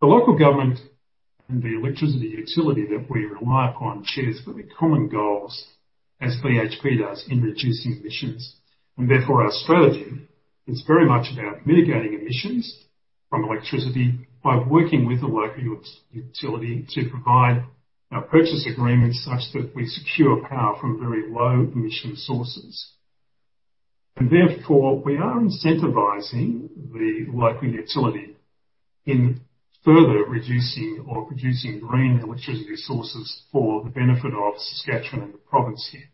The local government and the electricity utility that we rely upon shares very common goals as BHP does in reducing emissions. Therefore, our strategy is very much about mitigating emissions from electricity by working with the local utility to provide purchase agreements such that we secure power from very low emission sources. Therefore, we are incentivizing the local utility in further reducing or producing green electricity sources for the benefit of Saskatchewan and the province here.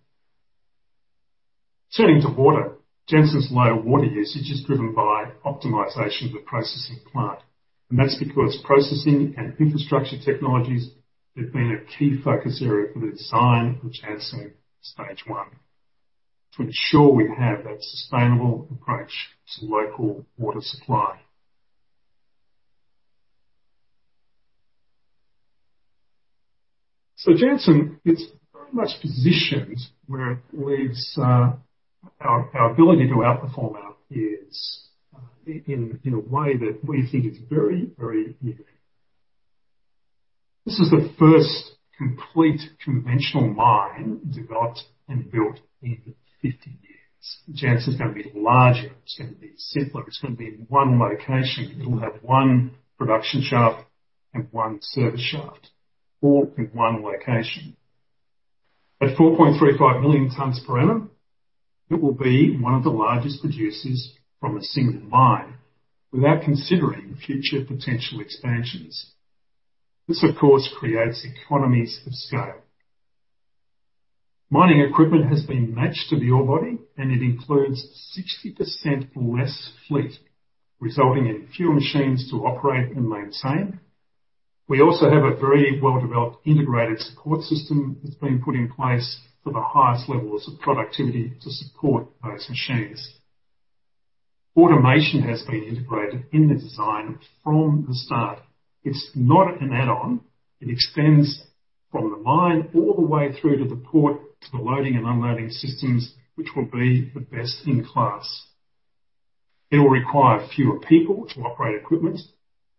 Turning to water, Jansen's low water usage is driven by optimization of the processing plant. That's because processing and infrastructure technologies have been a key focus area for the design of Jansen Stage I, to ensure we have that sustainable approach to local water supply. Jansen, it's very much positioned where it leaves our ability to outperform our peers in a way that we think is very, very unique. This is the first complete conventional mine developed and built in 50 years. Jansen's going to be larger, it's going to be simpler. It's going to be in one location. It will have one production shaft and one service shaft, all in one location. At 4.35 million tonnes per annum, it will be one of the largest producers from a single mine without considering future potential expansions. This, of course, creates economies of scale. Mining equipment has been matched to the ore body, and it includes 60% less fleet, resulting in fewer machines to operate and maintain. We also have a very well-developed integrated support system that's been put in place for the highest levels of productivity to support those machines. Automation has been integrated in the design from the start. It's not an add-on. It extends from the mine all the way through to the port, to the loading and unloading systems, which will be the best in class. It will require fewer people to operate equipment,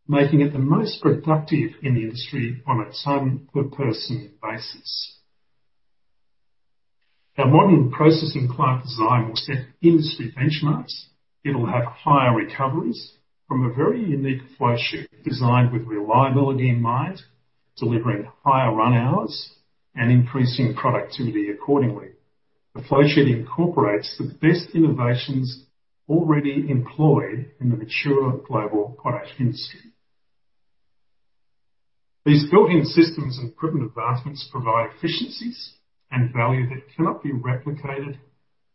making it the most productive in the industry on a ton per person basis. Our modern processing plant design will set industry benchmarks. It'll have higher recoveries from a very unique flow sheet designed with reliability in mind, delivering higher run hours and increasing productivity accordingly. The flow sheet incorporates the best innovations already employed in the mature global potash industry. These built-in systems and equipment advancements provide efficiencies and value that cannot be replicated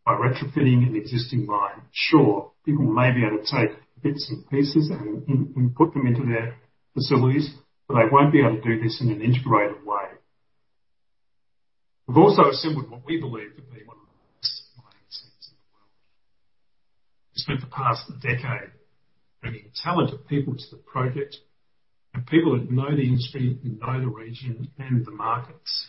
by retrofitting an existing mine. Sure, people may be able to take bits and pieces and put them into their facilities, but they won't be able to do this in an integrated way. We've also assembled what we believe to be one of the best mining teams in the world. We spent the past decade bringing talented people to the project, and people that know the industry, know the region, and the markets.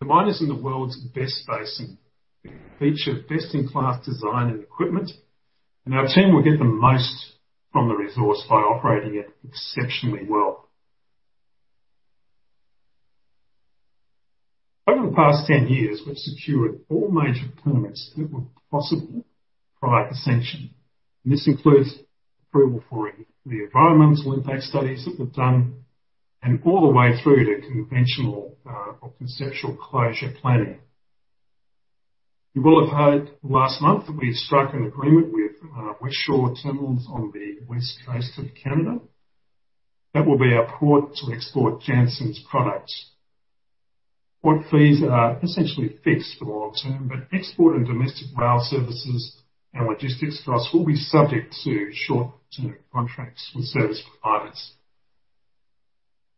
The mine is in the world's best basin. It will feature best-in-class design and equipment, and our team will get the most from the resource by operating it exceptionally well. Over the past 10 years, we've secured all major permits that were possible prior to sanction. This includes approval for the environmental impact studies that we've done and all the way through to conventional or conceptual closure planning. You will have heard last month that we struck an agreement with Westshore Terminals on the west coast of Canada. That will be our port to export Jansen's products. Port fees are essentially fixed for the long term, but export and domestic rail services and logistics for us will be subject to short-term contracts with service providers.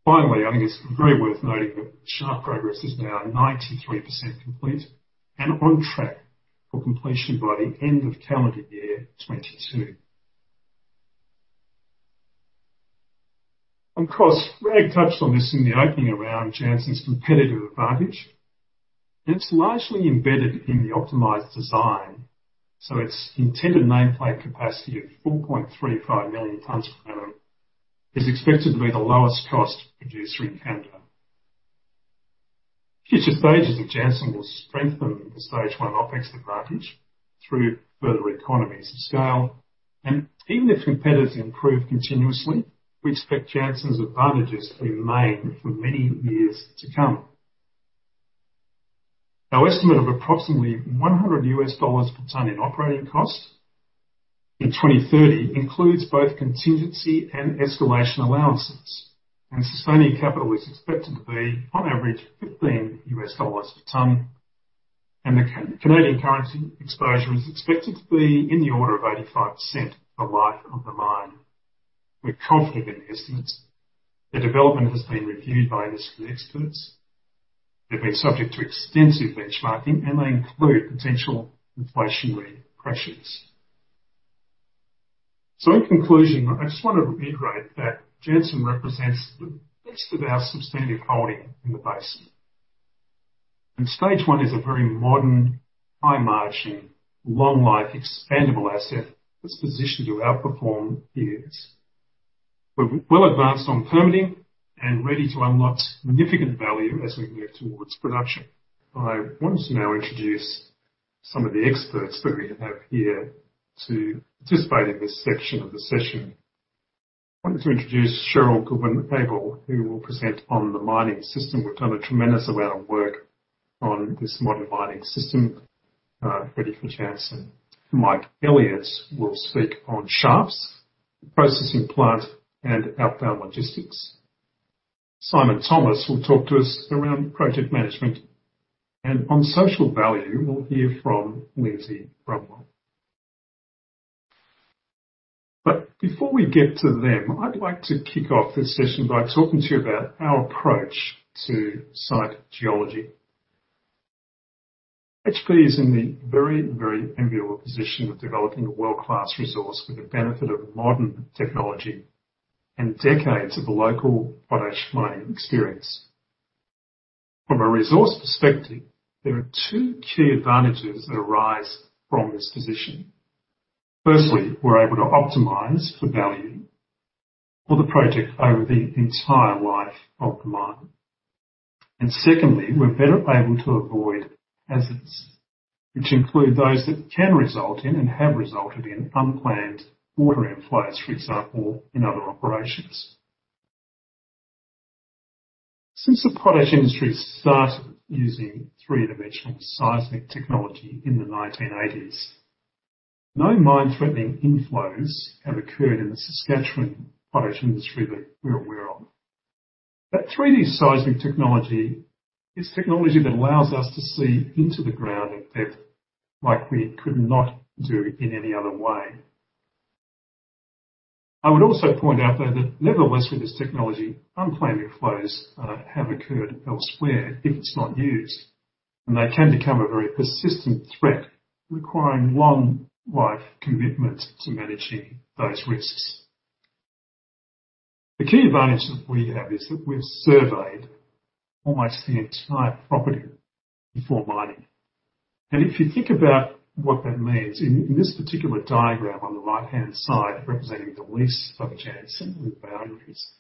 I think it's very worth noting that the shaft progress is now 93% complete and on track for completion by the end of calendar year 2022. Of course, Rag touched on this in the opening around Jansen's competitive advantage. It's largely embedded in the optimized design, so its intended nameplate capacity of 4.35 million tonnes per annum is expected to be the lowest cost producer in Canada. Future stages of Jansen will strengthen the Stage I OpEx advantage through further economies of scale. Even if competitors improve continuously, we expect Jansen's advantages to be made for many years to come. Our estimate of approximately $100 per ton in operating cost in 2030 includes both contingency and escalation allowances. Sustaining capital is expected to be on average $15 per ton. The Canadian currency exposure is expected to be in the order of 85% for life of the mine. We're confident in the estimates. The development has been reviewed by industry experts. They've been subject to extensive benchmarking, and they include potential inflationary pressures. In conclusion, I just want to reiterate that Jansen represents the best of our substantial holding in the basin. Stage I is a very modern, high-margin, long-life expandable asset that's positioned to outperform peers. We're well advanced on permitting and ready to unlock significant value as we move towards production. I want to now introduce Cheryll Godwin-Abel, who will present on the mining system. We've done a tremendous amount of work on this modern mining system, ready for Jansen. Mike Elliott will speak on shafts, processing plant, and outbound logistics. Simon Thomas will talk to us around project management. On social value, we'll hear from Lindsay Brumwell. Before we get to them, I'd like to kick off this session by talking to you about our approach to site geology. BHP is in the very, very enviable position of developing a world-class resource with the benefit of modern technology and decades of local potash mining experience. From a resource perspective, there are two key advantages that arise from this position. Firstly, we're able to optimize for value for the project over the entire life of the mine. Secondly, we're better able to avoid hazards, which include those that can result in and have resulted in unplanned water inflows, for example, in other operations. Since the potash industry started using three-dimensional seismic technology in the 1980s, no mine-threatening inflows have occurred in the Saskatchewan potash industry that we're aware of. That 3D seismic technology is technology that allows us to see into the ground in depth like we could not do in any other way. I would also point out, though, that nevertheless, with this technology, unplanned inflows have occurred elsewhere if it's not used, and they can become a very persistent threat, requiring long life commitment to managing those risks. The key advantage that we have is that we've surveyed almost the entire property before mining. If you think about what that means, in this particular diagram on the right-hand side, representing the lease of Jansen with boundaries.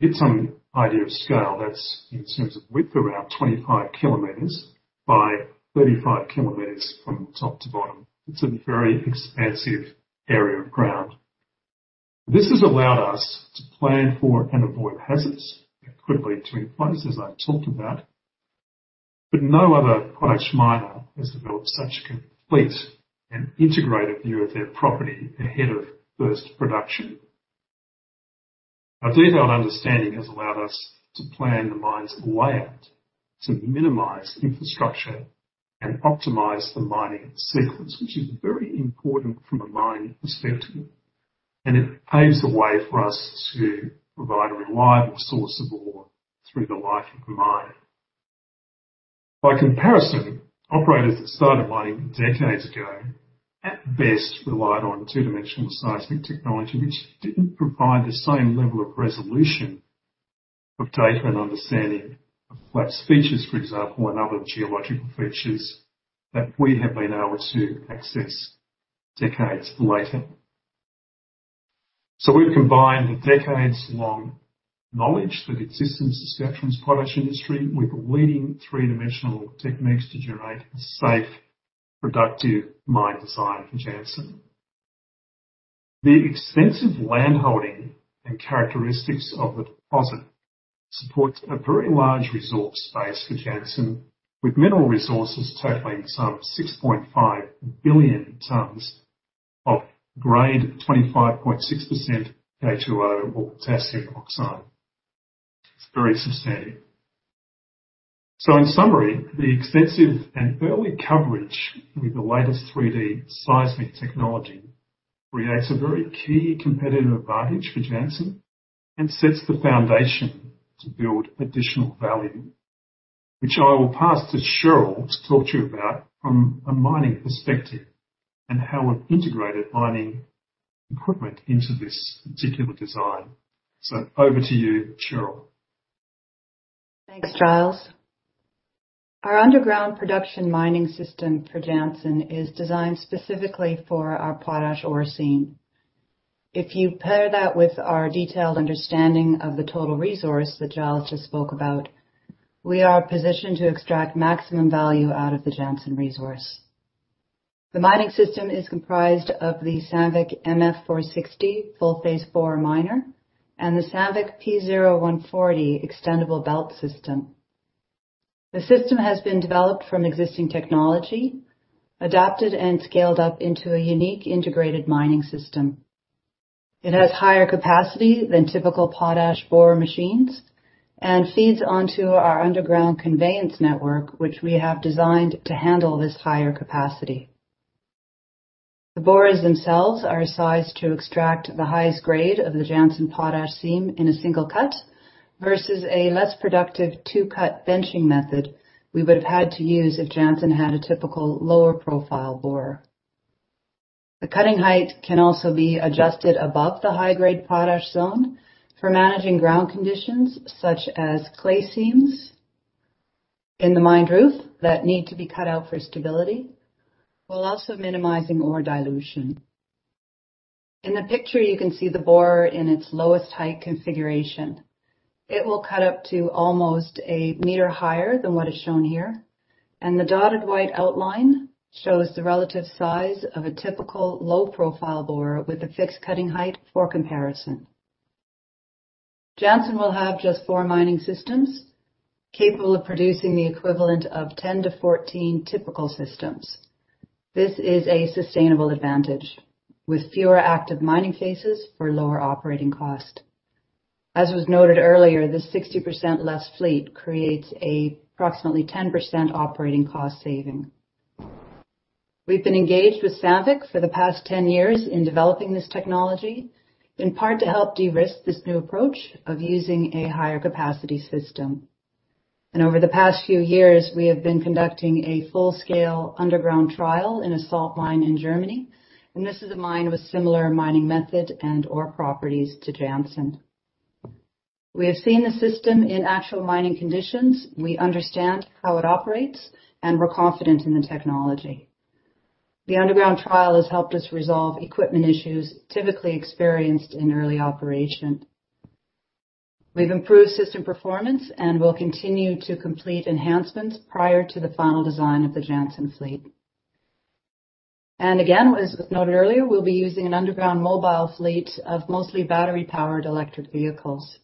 To give some idea of scale, that's in terms of width, around 25 km by 35 km from top to bottom. It's a very expansive area of ground. This has allowed us to plan for and avoid hazards that could lead to inflows, as I've talked about. No other potash miner has developed such a complete and integrated view of their property ahead of first production. Our detailed understanding has allowed us to plan the mine's layout to minimize infrastructure and optimize the mining sequence, which is very important from a mining perspective, and it paves the way for us to provide a reliable source of ore through the life of the mine. By comparison, operators that started mining decades ago, at best, relied on two-dimensional seismic technology, which didn't provide the same level of resolution of data and understanding of salt species, for example, and other geological features that we have been able to access decades later. We've combined the decades-long knowledge that exists in Saskatchewan's potash industry with leading 3D techniques to generate a safe, productive mine design for Jansen. The extensive land holding and characteristics of the deposit supports a very large resource base for Jansen with mineral resources totaling some 6.5 billion tonnes of grade, 25.6% K2O or potassium oxide. It's very substantive. In summary, the extensive and early coverage with the latest 3D seismic technology creates a very key competitive advantage for Jansen and sets the foundation to build additional value, which I will pass to Cheryll to talk to you about from a mining perspective and how we've integrated mining equipment into this particular design. Over to you, Cheryll. Thanks, Giles. Our underground production mining system for Jansen is designed specifically for our potash ore seam. If you pair that with our detailed understanding of the total resource that Giles just spoke about, we are positioned to extract maximum value out of the Jansen resource. The mining system is comprised of the Sandvik MF460 full-face borer miner and the Sandvik PO140 extendable belt system. The system has been developed from existing technology, adapted and scaled up into a unique integrated mining system. It has higher capacity than typical potash borer machines and feeds onto our underground conveyance network, which we have designed to handle this higher capacity. The borers themselves are sized to extract the highest grade of the Jansen potash seam in a single cut versus a less productive two-cut benching method we would have had to use if Jansen had a typical lower profile borer. The cutting height can also be adjusted above the high-grade potash zone for managing ground conditions such as clay seams in the mine roof that need to be cut out for stability while also minimizing ore dilution. In the picture, you can see the borer miner in its lowest height configuration. It will cut up to almost a meter higher than what is shown here, and the dotted white outline shows the relative size of a typical low-profile borer miner with a fixed cutting height for comparison. Jansen will have just four mining systems capable of producing the equivalent of 10 to 14 typical systems. This is a sustainable advantage, with fewer active mining phases for lower operating cost. As was noted earlier, the 60% less fleet creates approximately 10% operating cost saving. We've been engaged with Sandvik for the past 10 years in developing this technology, in part to help de-risk this new approach of using a higher capacity system. Over the past few years, we have been conducting a full-scale underground trial in a salt mine in Germany, and this is a mine with similar mining method and ore properties to Jansen. We have seen the system in actual mining conditions. We understand how it operates, and we're confident in the technology. The underground trial has helped us resolve equipment issues typically experienced in early operation. We've improved system performance, and will continue to complete enhancements prior to the final design of the Jansen fleet. Again, as noted earlier, we'll be using an underground mobile fleet of mostly battery-powered electric vehicles.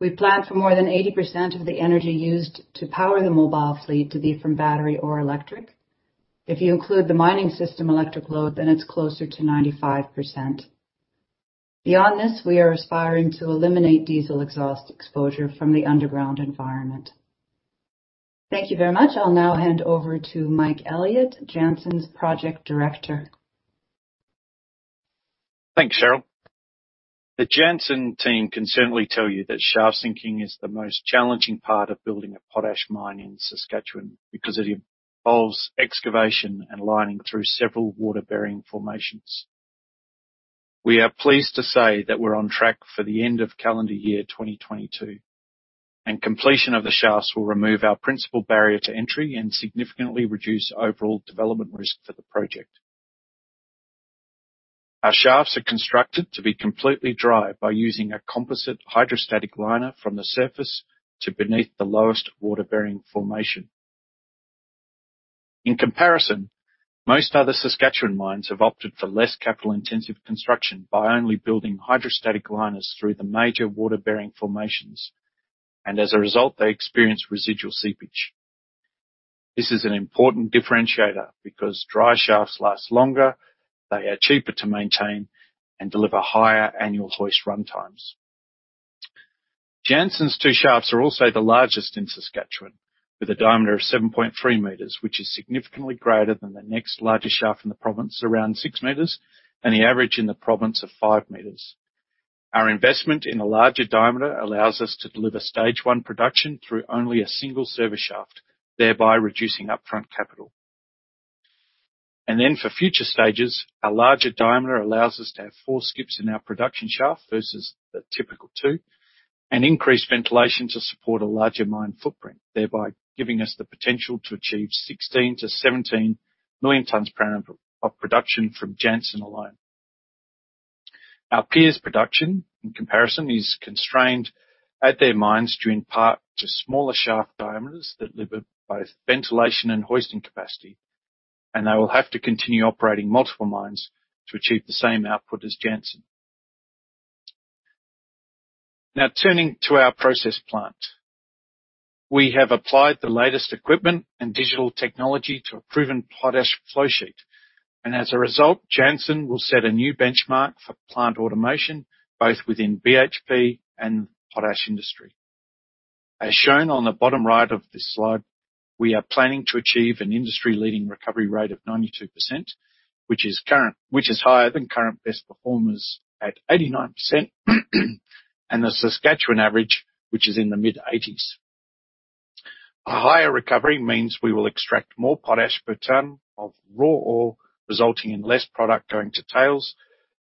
We plan for more than 80% of the energy used to power the mobile fleet to be from battery or electric. If you include the mining system electric load, then it's closer to 95%. Beyond this, we are aspiring to eliminate diesel exhaust exposure from the underground environment. Thank you very much. I'll now hand over to Mike Elliott, Jansen's Project Director. Thanks, Cheryll. The Jansen team can certainly tell you that shaft sinking is the most challenging part of building a potash mine in Saskatchewan because it involves excavation and lining through several water-bearing formations. We are pleased to say that we're on track for the end of calendar year 2022, and completion of the shafts will remove our principal barrier to entry and significantly reduce overall development risk for the project. Our shafts are constructed to be completely dry by using a composite hydrostatic liner from the surface to beneath the lowest water-bearing formation. In comparison, most other Saskatchewan mines have opted for less capital-intensive construction by only building hydrostatic liners through the major water-bearing formations, and as a result, they experience residual seepage. This is an important differentiator because dry shafts last longer, they are cheaper to maintain, and deliver higher annual hoist run times. Jansen's two shafts are also the largest in Saskatchewan, with a diameter of 7.3 meters, which is significantly greater than the next largest shaft in the province, around 6 meters, and the average in the province of 5 meters. Our investment in a larger diameter allows us to deliver Stage I production through only a single service shaft, thereby reducing upfront capital. For future stages, a larger diameter allows us to have four skips in our production shaft versus the typical two, and increased ventilation to support a larger mine footprint, thereby giving us the potential to achieve 16 million tonnes-17 million tonnes per annum of production from Jansen alone. Our peers' production, in comparison, is constrained at their mines due in part to smaller shaft diameters that limit both ventilation and hoisting capacity, and they will have to continue operating multiple mines to achieve the same output as Jansen. Turning to our process plant. We have applied the latest equipment and digital technology to a proven potash flow sheet, and as a result, Jansen will set a new benchmark for plant automation, both within BHP and the potash industry. As shown on the bottom right of this slide, we are planning to achieve an industry-leading recovery rate of 92%, which is higher than current best performers at 89% and the Saskatchewan average, which is in the mid-80s. A higher recovery means we will extract more potash per tonne of raw ore, resulting in less product going to tails,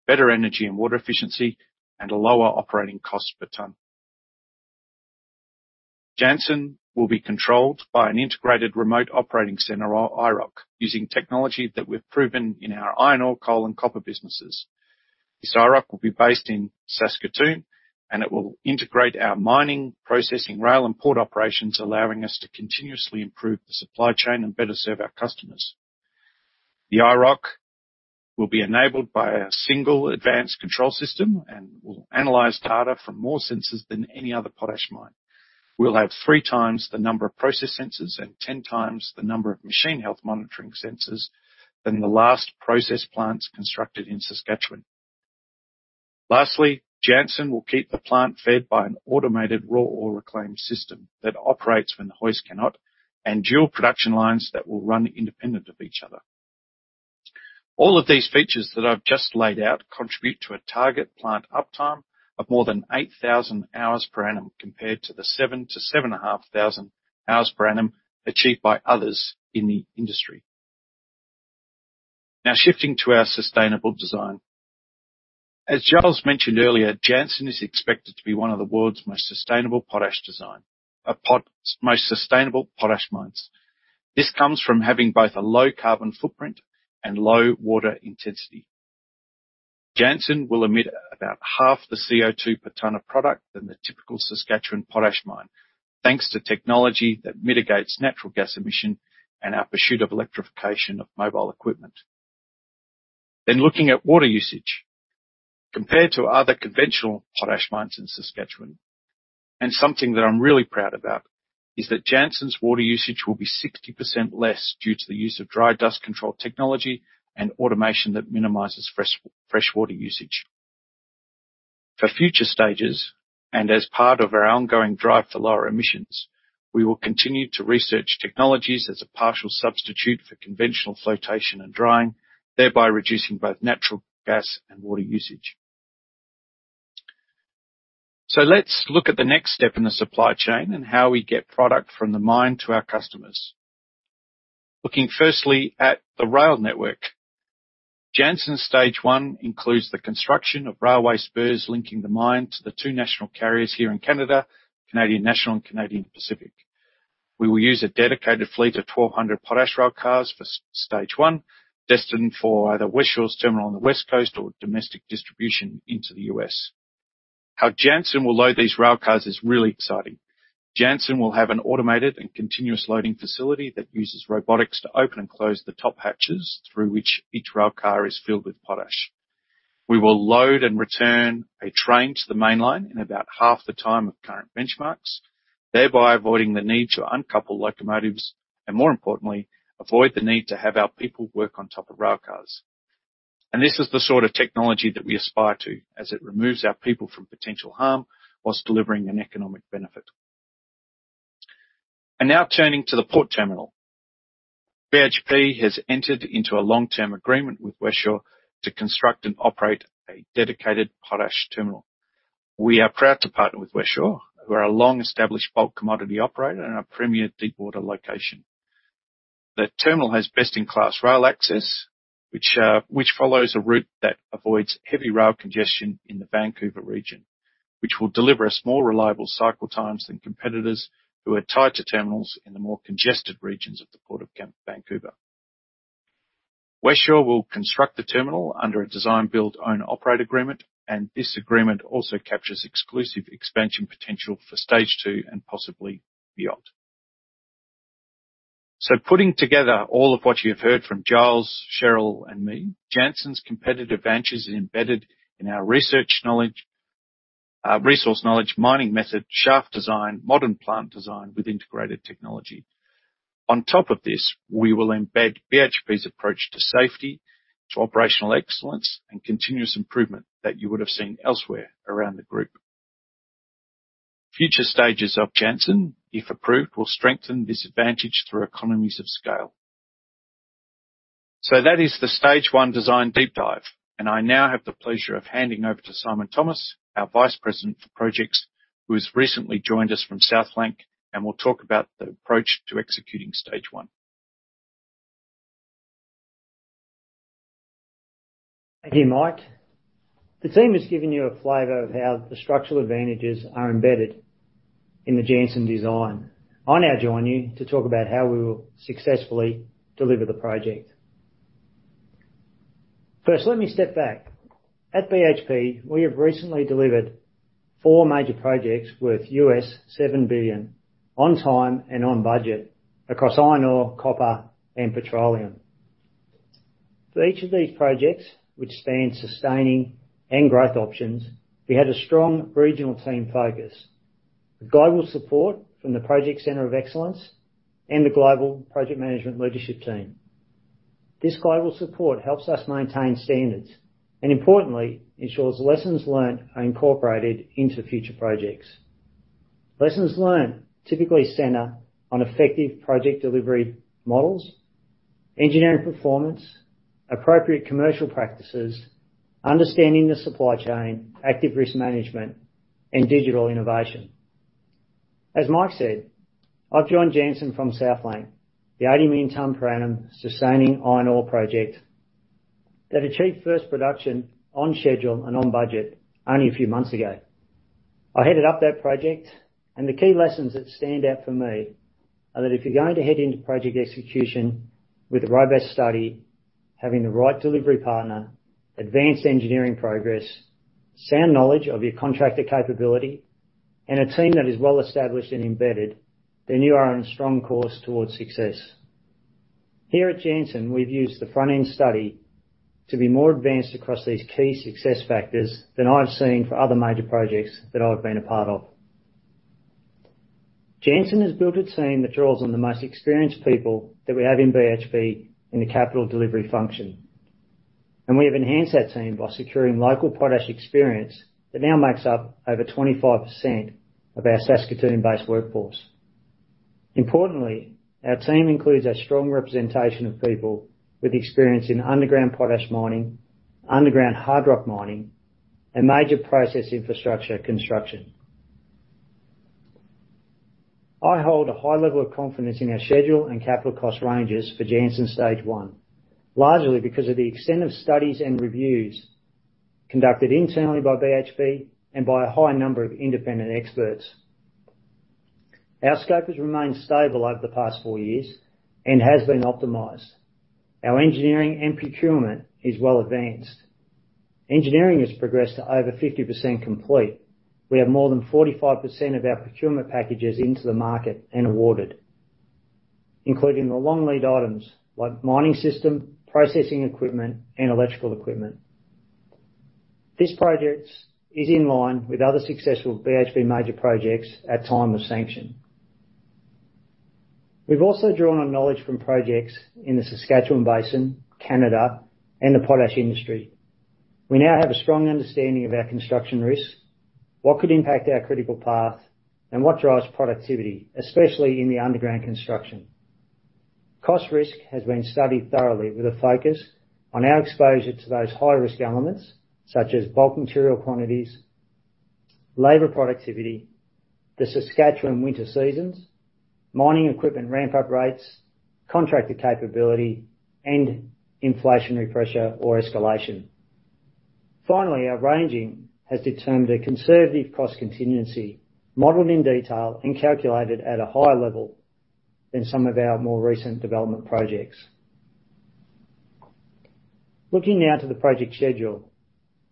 better energy and water efficiency, and a lower operating cost per tonne. Jansen will be controlled by an Integrated Remote Operating Center, or IROC, using technology that we've proven in our iron ore, coal, and copper businesses. This IROC will be based in Saskatoon. It will integrate our mining, processing, rail, and port operations, allowing us to continuously improve the supply chain and better serve our customers. The IROC will be enabled by a single advanced control system and will analyze data from more sensors than any other potash mine. We'll have three times the number of process sensors and 10x the number of machine health monitoring sensors than the last process plants constructed in Saskatchewan. Lastly, Jansen will keep the plant fed by an automated raw ore reclaim system that operates when the hoist cannot, and dual production lines that will run independent of each other. All of these features that I've just laid out contribute to a target plant uptime of more than 8,000 hours per annum, compared to the 7,000 hours-7,500 hours per annum achieved by others in the industry. Shifting to our sustainable design. As Cheryll mentioned earlier, Jansen is expected to be one of the world's most sustainable potash mines. This comes from having both a low carbon footprint and low water intensity. Jansen will emit about half the CO2 per ton of product than the typical Saskatchewan potash mine, thanks to technology that mitigates natural gas emission and our pursuit of electrification of mobile equipment. Looking at water usage, compared to other conventional potash mines in Saskatchewan, and something that I'm really proud about, is that Jansen's water usage will be 60% less due to the use of dry dust control technology and automation that minimizes freshwater usage. For future stages, and as part of our ongoing drive to lower emissions, we will continue to research technologies as a partial substitute for conventional flotation and drying, thereby reducing both natural gas and water usage. Let's look at the next step in the supply chain and how we get product from the mine to our customers. Looking firstly at the rail network. Jansen Stage I includes the construction of railway spurs linking the mine to the two national carriers here in Canada, Canadian National and Canadian Pacific. We will use a dedicated fleet of 1,200 potash rail cars for Stage I, destined for either Westshore's terminal on the west coast or domestic distribution into the U.S. How Jansen will load these rail cars is really exciting. Jansen will have an automated and continuous loading facility that uses robotics to open and close the top hatches through which each rail car is filled with potash. We will load and return a train to the mainline in about half the time of current benchmarks, thereby avoiding the need to uncouple locomotives, and more importantly, avoid the need to have our people work on top of rail cars. This is the sort of technology that we aspire to as it removes our people from potential harm while delivering an economic benefit. Now turning to the port terminal. BHP has entered into a long-term agreement with Westshore to construct and operate a dedicated potash terminal. We are proud to partner with Westshore, who are a long-established bulk commodity operator in a premier deepwater location. The terminal has best-in-class rail access, which follows a route that avoids heavy rail congestion in the Vancouver region, which will deliver us more reliable cycle times than competitors who are tied to terminals in the more congested regions of the Port of Vancouver. Westshore will construct the terminal under a design, build, own, operate agreement, and this agreement also captures exclusive expansion potential for Stage II and possibly beyond. Putting together all of what you've heard from Giles, Cheryll, and me, Jansen's competitive advantage is embedded in our research knowledge, resource knowledge, mining method, shaft design, modern plant design with integrated technology. On top of this, we will embed BHP's approach to safety, to operational excellence, and continuous improvement that you would have seen elsewhere around the group. Future stages of Jansen, if approved, will strengthen this advantage through economies of scale. That is the Stage I design deep dive, and I now have the pleasure of handing over to Simon Thomas, our Vice President for Projects, who has recently joined us from South Flank and will talk about the approach to executing Stage I. Thank you, Mike. The team has given you a flavor of how the structural advantages are embedded in the Jansen design. I now join you to talk about how we will successfully deliver the project. Let me step back. At BHP, we have recently delivered four major projects worth $7 billion on time and on budget across iron ore, copper, and petroleum. For each of these projects, which span sustaining and growth options, we had a strong regional team focus, with global support from the Project Centre of Excellence and the Global Project Management Leadership Team. This global support helps us maintain standards, and importantly, ensures lessons learned are incorporated into future projects. Lessons learned typically center on effective project delivery models, engineering performance, appropriate commercial practices, understanding the supply chain, active risk management, and digital innovation. As Mike said, I've joined Jansen from South Flank, the 80 million ton per annum sustaining iron ore project that achieved first production on schedule and on budget only a few months ago. I headed up that project, and the key lessons that stand out for me are that if you're going to head into project execution with a robust study, having the right delivery partner, advanced engineering progress, sound knowledge of your contractor capability, and a team that is well-established and embedded, then you are on a strong course towards success. Here at Jansen, we've used the front-end study to be more advanced across these key success factors than I've seen for other major projects that I've been a part of. Jansen has built a team that draws on the most experienced people that we have in BHP in the capital delivery function. We have enhanced that team by securing local potash experience that now makes up over 25% of our Saskatoon-based workforce. Importantly, our team includes a strong representation of people with experience in underground potash mining, underground hard rock mining, and major process infrastructure construction. I hold a high level of confidence in our schedule and capital cost ranges for Jansen Stage I, largely because of the extent of studies and reviews conducted internally by BHP and by a high number of independent experts. Our scope has remained stable over the past four years and has been optimized. Our engineering and procurement is well advanced. Engineering has progressed to over 50% complete. We have more than 45% of our procurement packages into the market and awarded, including the long lead items like mining system, processing equipment, and electrical equipment. This project is in line with other successful BHP major projects at time of sanction. We've also drawn on knowledge from projects in the Saskatchewan Basin, Canada, and the potash industry. We now have a strong understanding of our construction risks, what could impact our critical path, and what drives productivity, especially in the underground construction. Cost risk has been studied thoroughly with a focus on our exposure to those high-risk elements, such as bulk material quantities, labor productivity, the Saskatchewan winter seasons, mining equipment ramp-up rates, contractor capability, and inflationary pressure or escalation. Finally, our ranging has determined a conservative cost contingency, modeled in detail and calculated at a higher level than some of our more recent development projects. Looking now to the project schedule.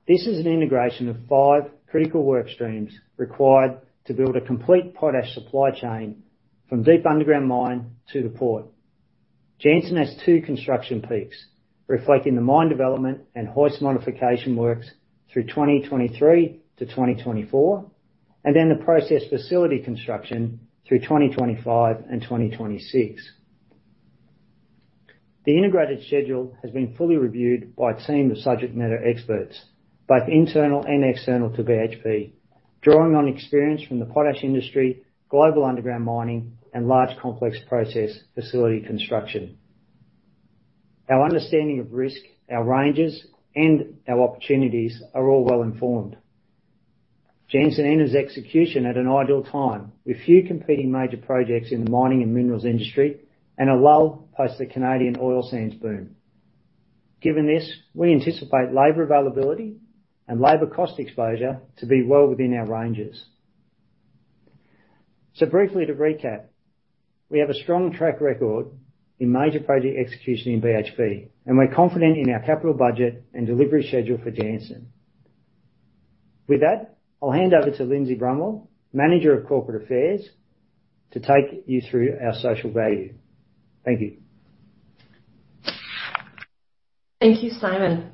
This is an integration of five critical work streams required to build a complete potash supply chain from deep underground mine to the port. Jansen has two construction peaks reflecting the mine development and hoist modification works through 2023-2024, and then the process facility construction through 2025 and 2026. The integrated schedule has been fully reviewed by a team of subject matter experts, both internal and external to BHP, drawing on experience from the potash industry, global underground mining, and large complex process facility construction. Our understanding of risk, our ranges, and our opportunities are all well-informed. Jansen enters execution at an ideal time, with few competing major projects in the mining and minerals industry and a lull post the Canadian oil sands boom. Given this, we anticipate labor availability and labor cost exposure to be well within our ranges. Briefly to recap, we have a strong track record in major project execution in BHP, and we're confident in our capital budget and delivery schedule for Jansen. With that, I'll hand over to Lindsay Brumwell, Manager of Corporate Affairs, to take you through our social value. Thank you. Thank you, Simon.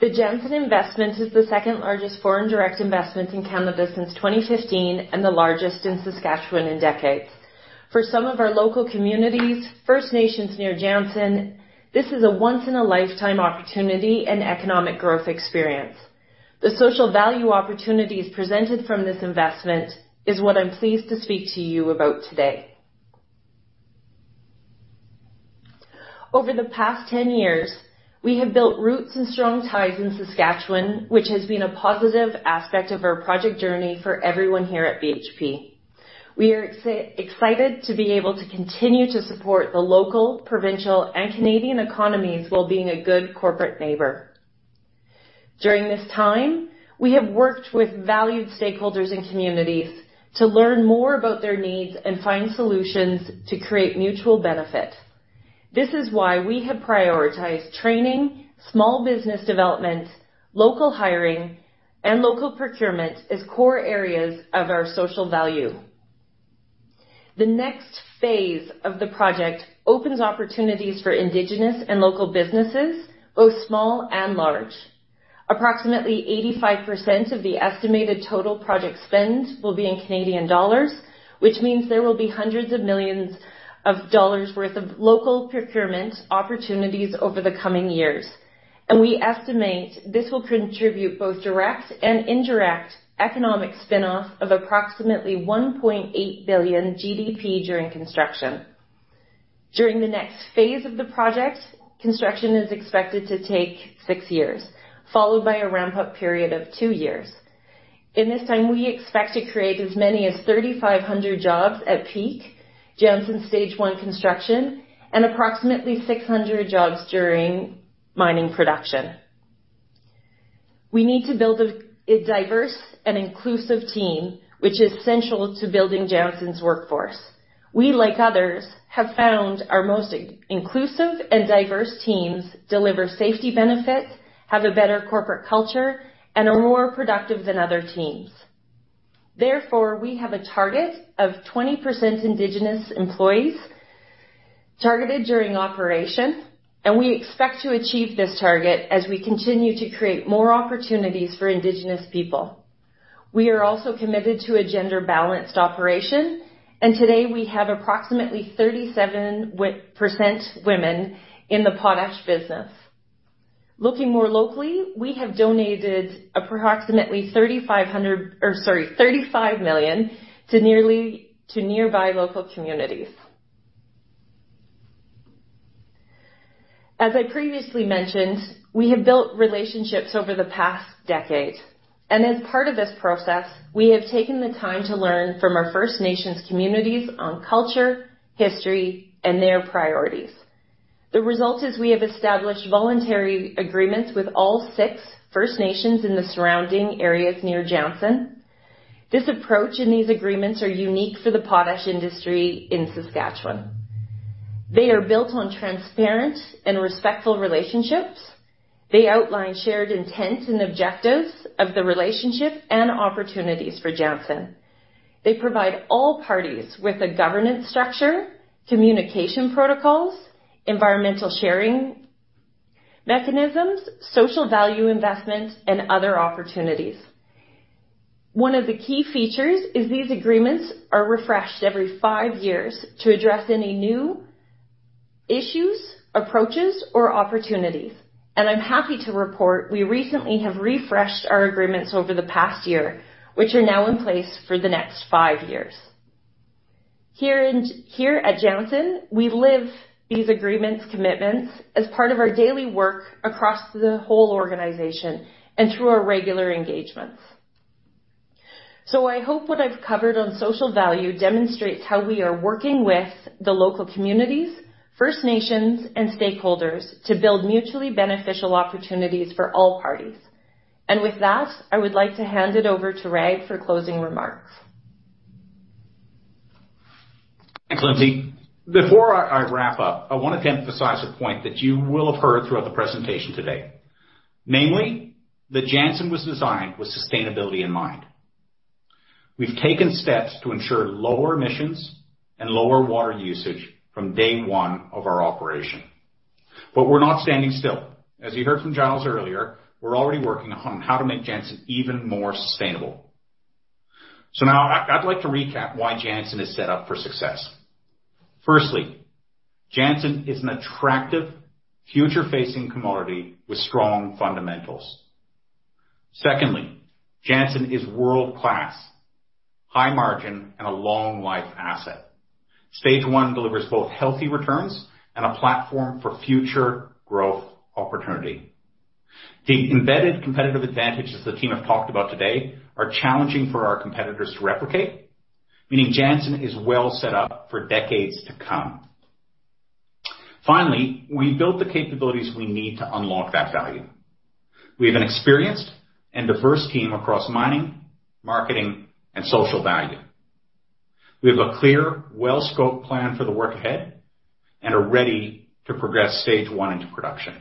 The Jansen investment is the second largest foreign direct investment in Canada since 2015 and the largest in Saskatchewan in decades. For some of our local communities, First Nations near Jansen, this is a once-in-a-lifetime opportunity and economic growth experience. The social value opportunities presented from this investment is what I'm pleased to speak to you about today. Over the past 10 years, we have built roots and strong ties in Saskatchewan, which has been a positive aspect of our project journey for everyone here at BHP. We are excited to be able to continue to support the local, provincial, and Canadian economies while being a good corporate neighbor. During this time, we have worked with valued stakeholders and communities to learn more about their needs and find solutions to create mutual benefit. This is why we have prioritized training, small business development, local hiring, and local procurement as core areas of our social value. The next phase of the project opens opportunities for indigenous and local businesses, both small and large. Approximately 85% of the estimated total project spend will be in Canadian dollars, which means there will be CAD hundreds of millions worth of local procurement opportunities over the coming years. We estimate this will contribute both direct and indirect economic spinoff of approximately 1.8 billion GDP during construction. During the next phase of the project, construction is expected to take six years, followed by a ramp-up period of two years. In this time, we expect to create as many as 3,500 jobs at peak Jansen Stage I construction and approximately 600 jobs during mining production. We need to build a diverse and inclusive team, which is central to building Jansen's workforce. We, like others, have found our most inclusive and diverse teams deliver safety benefits, have a better corporate culture, and are more productive than other teams. Therefore, we have a target of 20% indigenous employees targeted during operation, and we expect to achieve this target as we continue to create more opportunities for indigenous people. We are also committed to a gender balanced operation, and today we have approximately 37% women in the potash business. Looking more locally, we have donated approximately 35 million to nearby local communities. As I previously mentioned, we have built relationships over the past decade, and as part of this process, we have taken the time to learn from our First Nations communities on culture, history, and their priorities. The result is we have established voluntary agreements with all six First Nations in the surrounding areas near Jansen. This approach and these agreements are unique for the potash industry in Saskatchewan. They are built on transparent and respectful relationships. They outline shared intent and objectives of the relationship and opportunities for Jansen. They provide all parties with a governance structure, communication protocols, environmental sharing mechanisms, social value investment, and other opportunities. One of the key features is these agreements are refreshed every five years to address any new issues, approaches, or opportunities, and I'm happy to report we recently have refreshed our agreements over the past year, which are now in place for the next five years. Here at Jansen, we live these agreements commitments as part of our daily work across the whole organization and through our regular engagements. I hope what I've covered on social value demonstrates how we are working with the local communities, First Nations, and stakeholders to build mutually beneficial opportunities for all parties. With that, I would like to hand it over to Rag for closing remarks. Thanks, Lindsay. Before I wrap up, I want to emphasize a point that you will have heard throughout the presentation today. Namely, that Jansen was designed with sustainability in mind. We've taken steps to ensure lower emissions and lower water usage from day one of our operation. We're not standing still. As you heard from Giles earlier, we're already working on how to make Jansen even more sustainable. Now I'd like to recap why Jansen is set up for success. Firstly, Jansen is an attractive future-facing commodity with strong fundamentals. Secondly, Jansen is world-class, high margin, and a long life asset. Stage one delivers both healthy returns and a platform for future growth opportunity. The embedded competitive advantages the team have talked about today are challenging for our competitors to replicate, meaning Jansen is well set up for decades to come. We built the capabilities we need to unlock that value. We have an experienced and diverse team across mining, marketing, and social value. We have a clear, well-scoped plan for the work ahead and are ready to progress Stage I into production.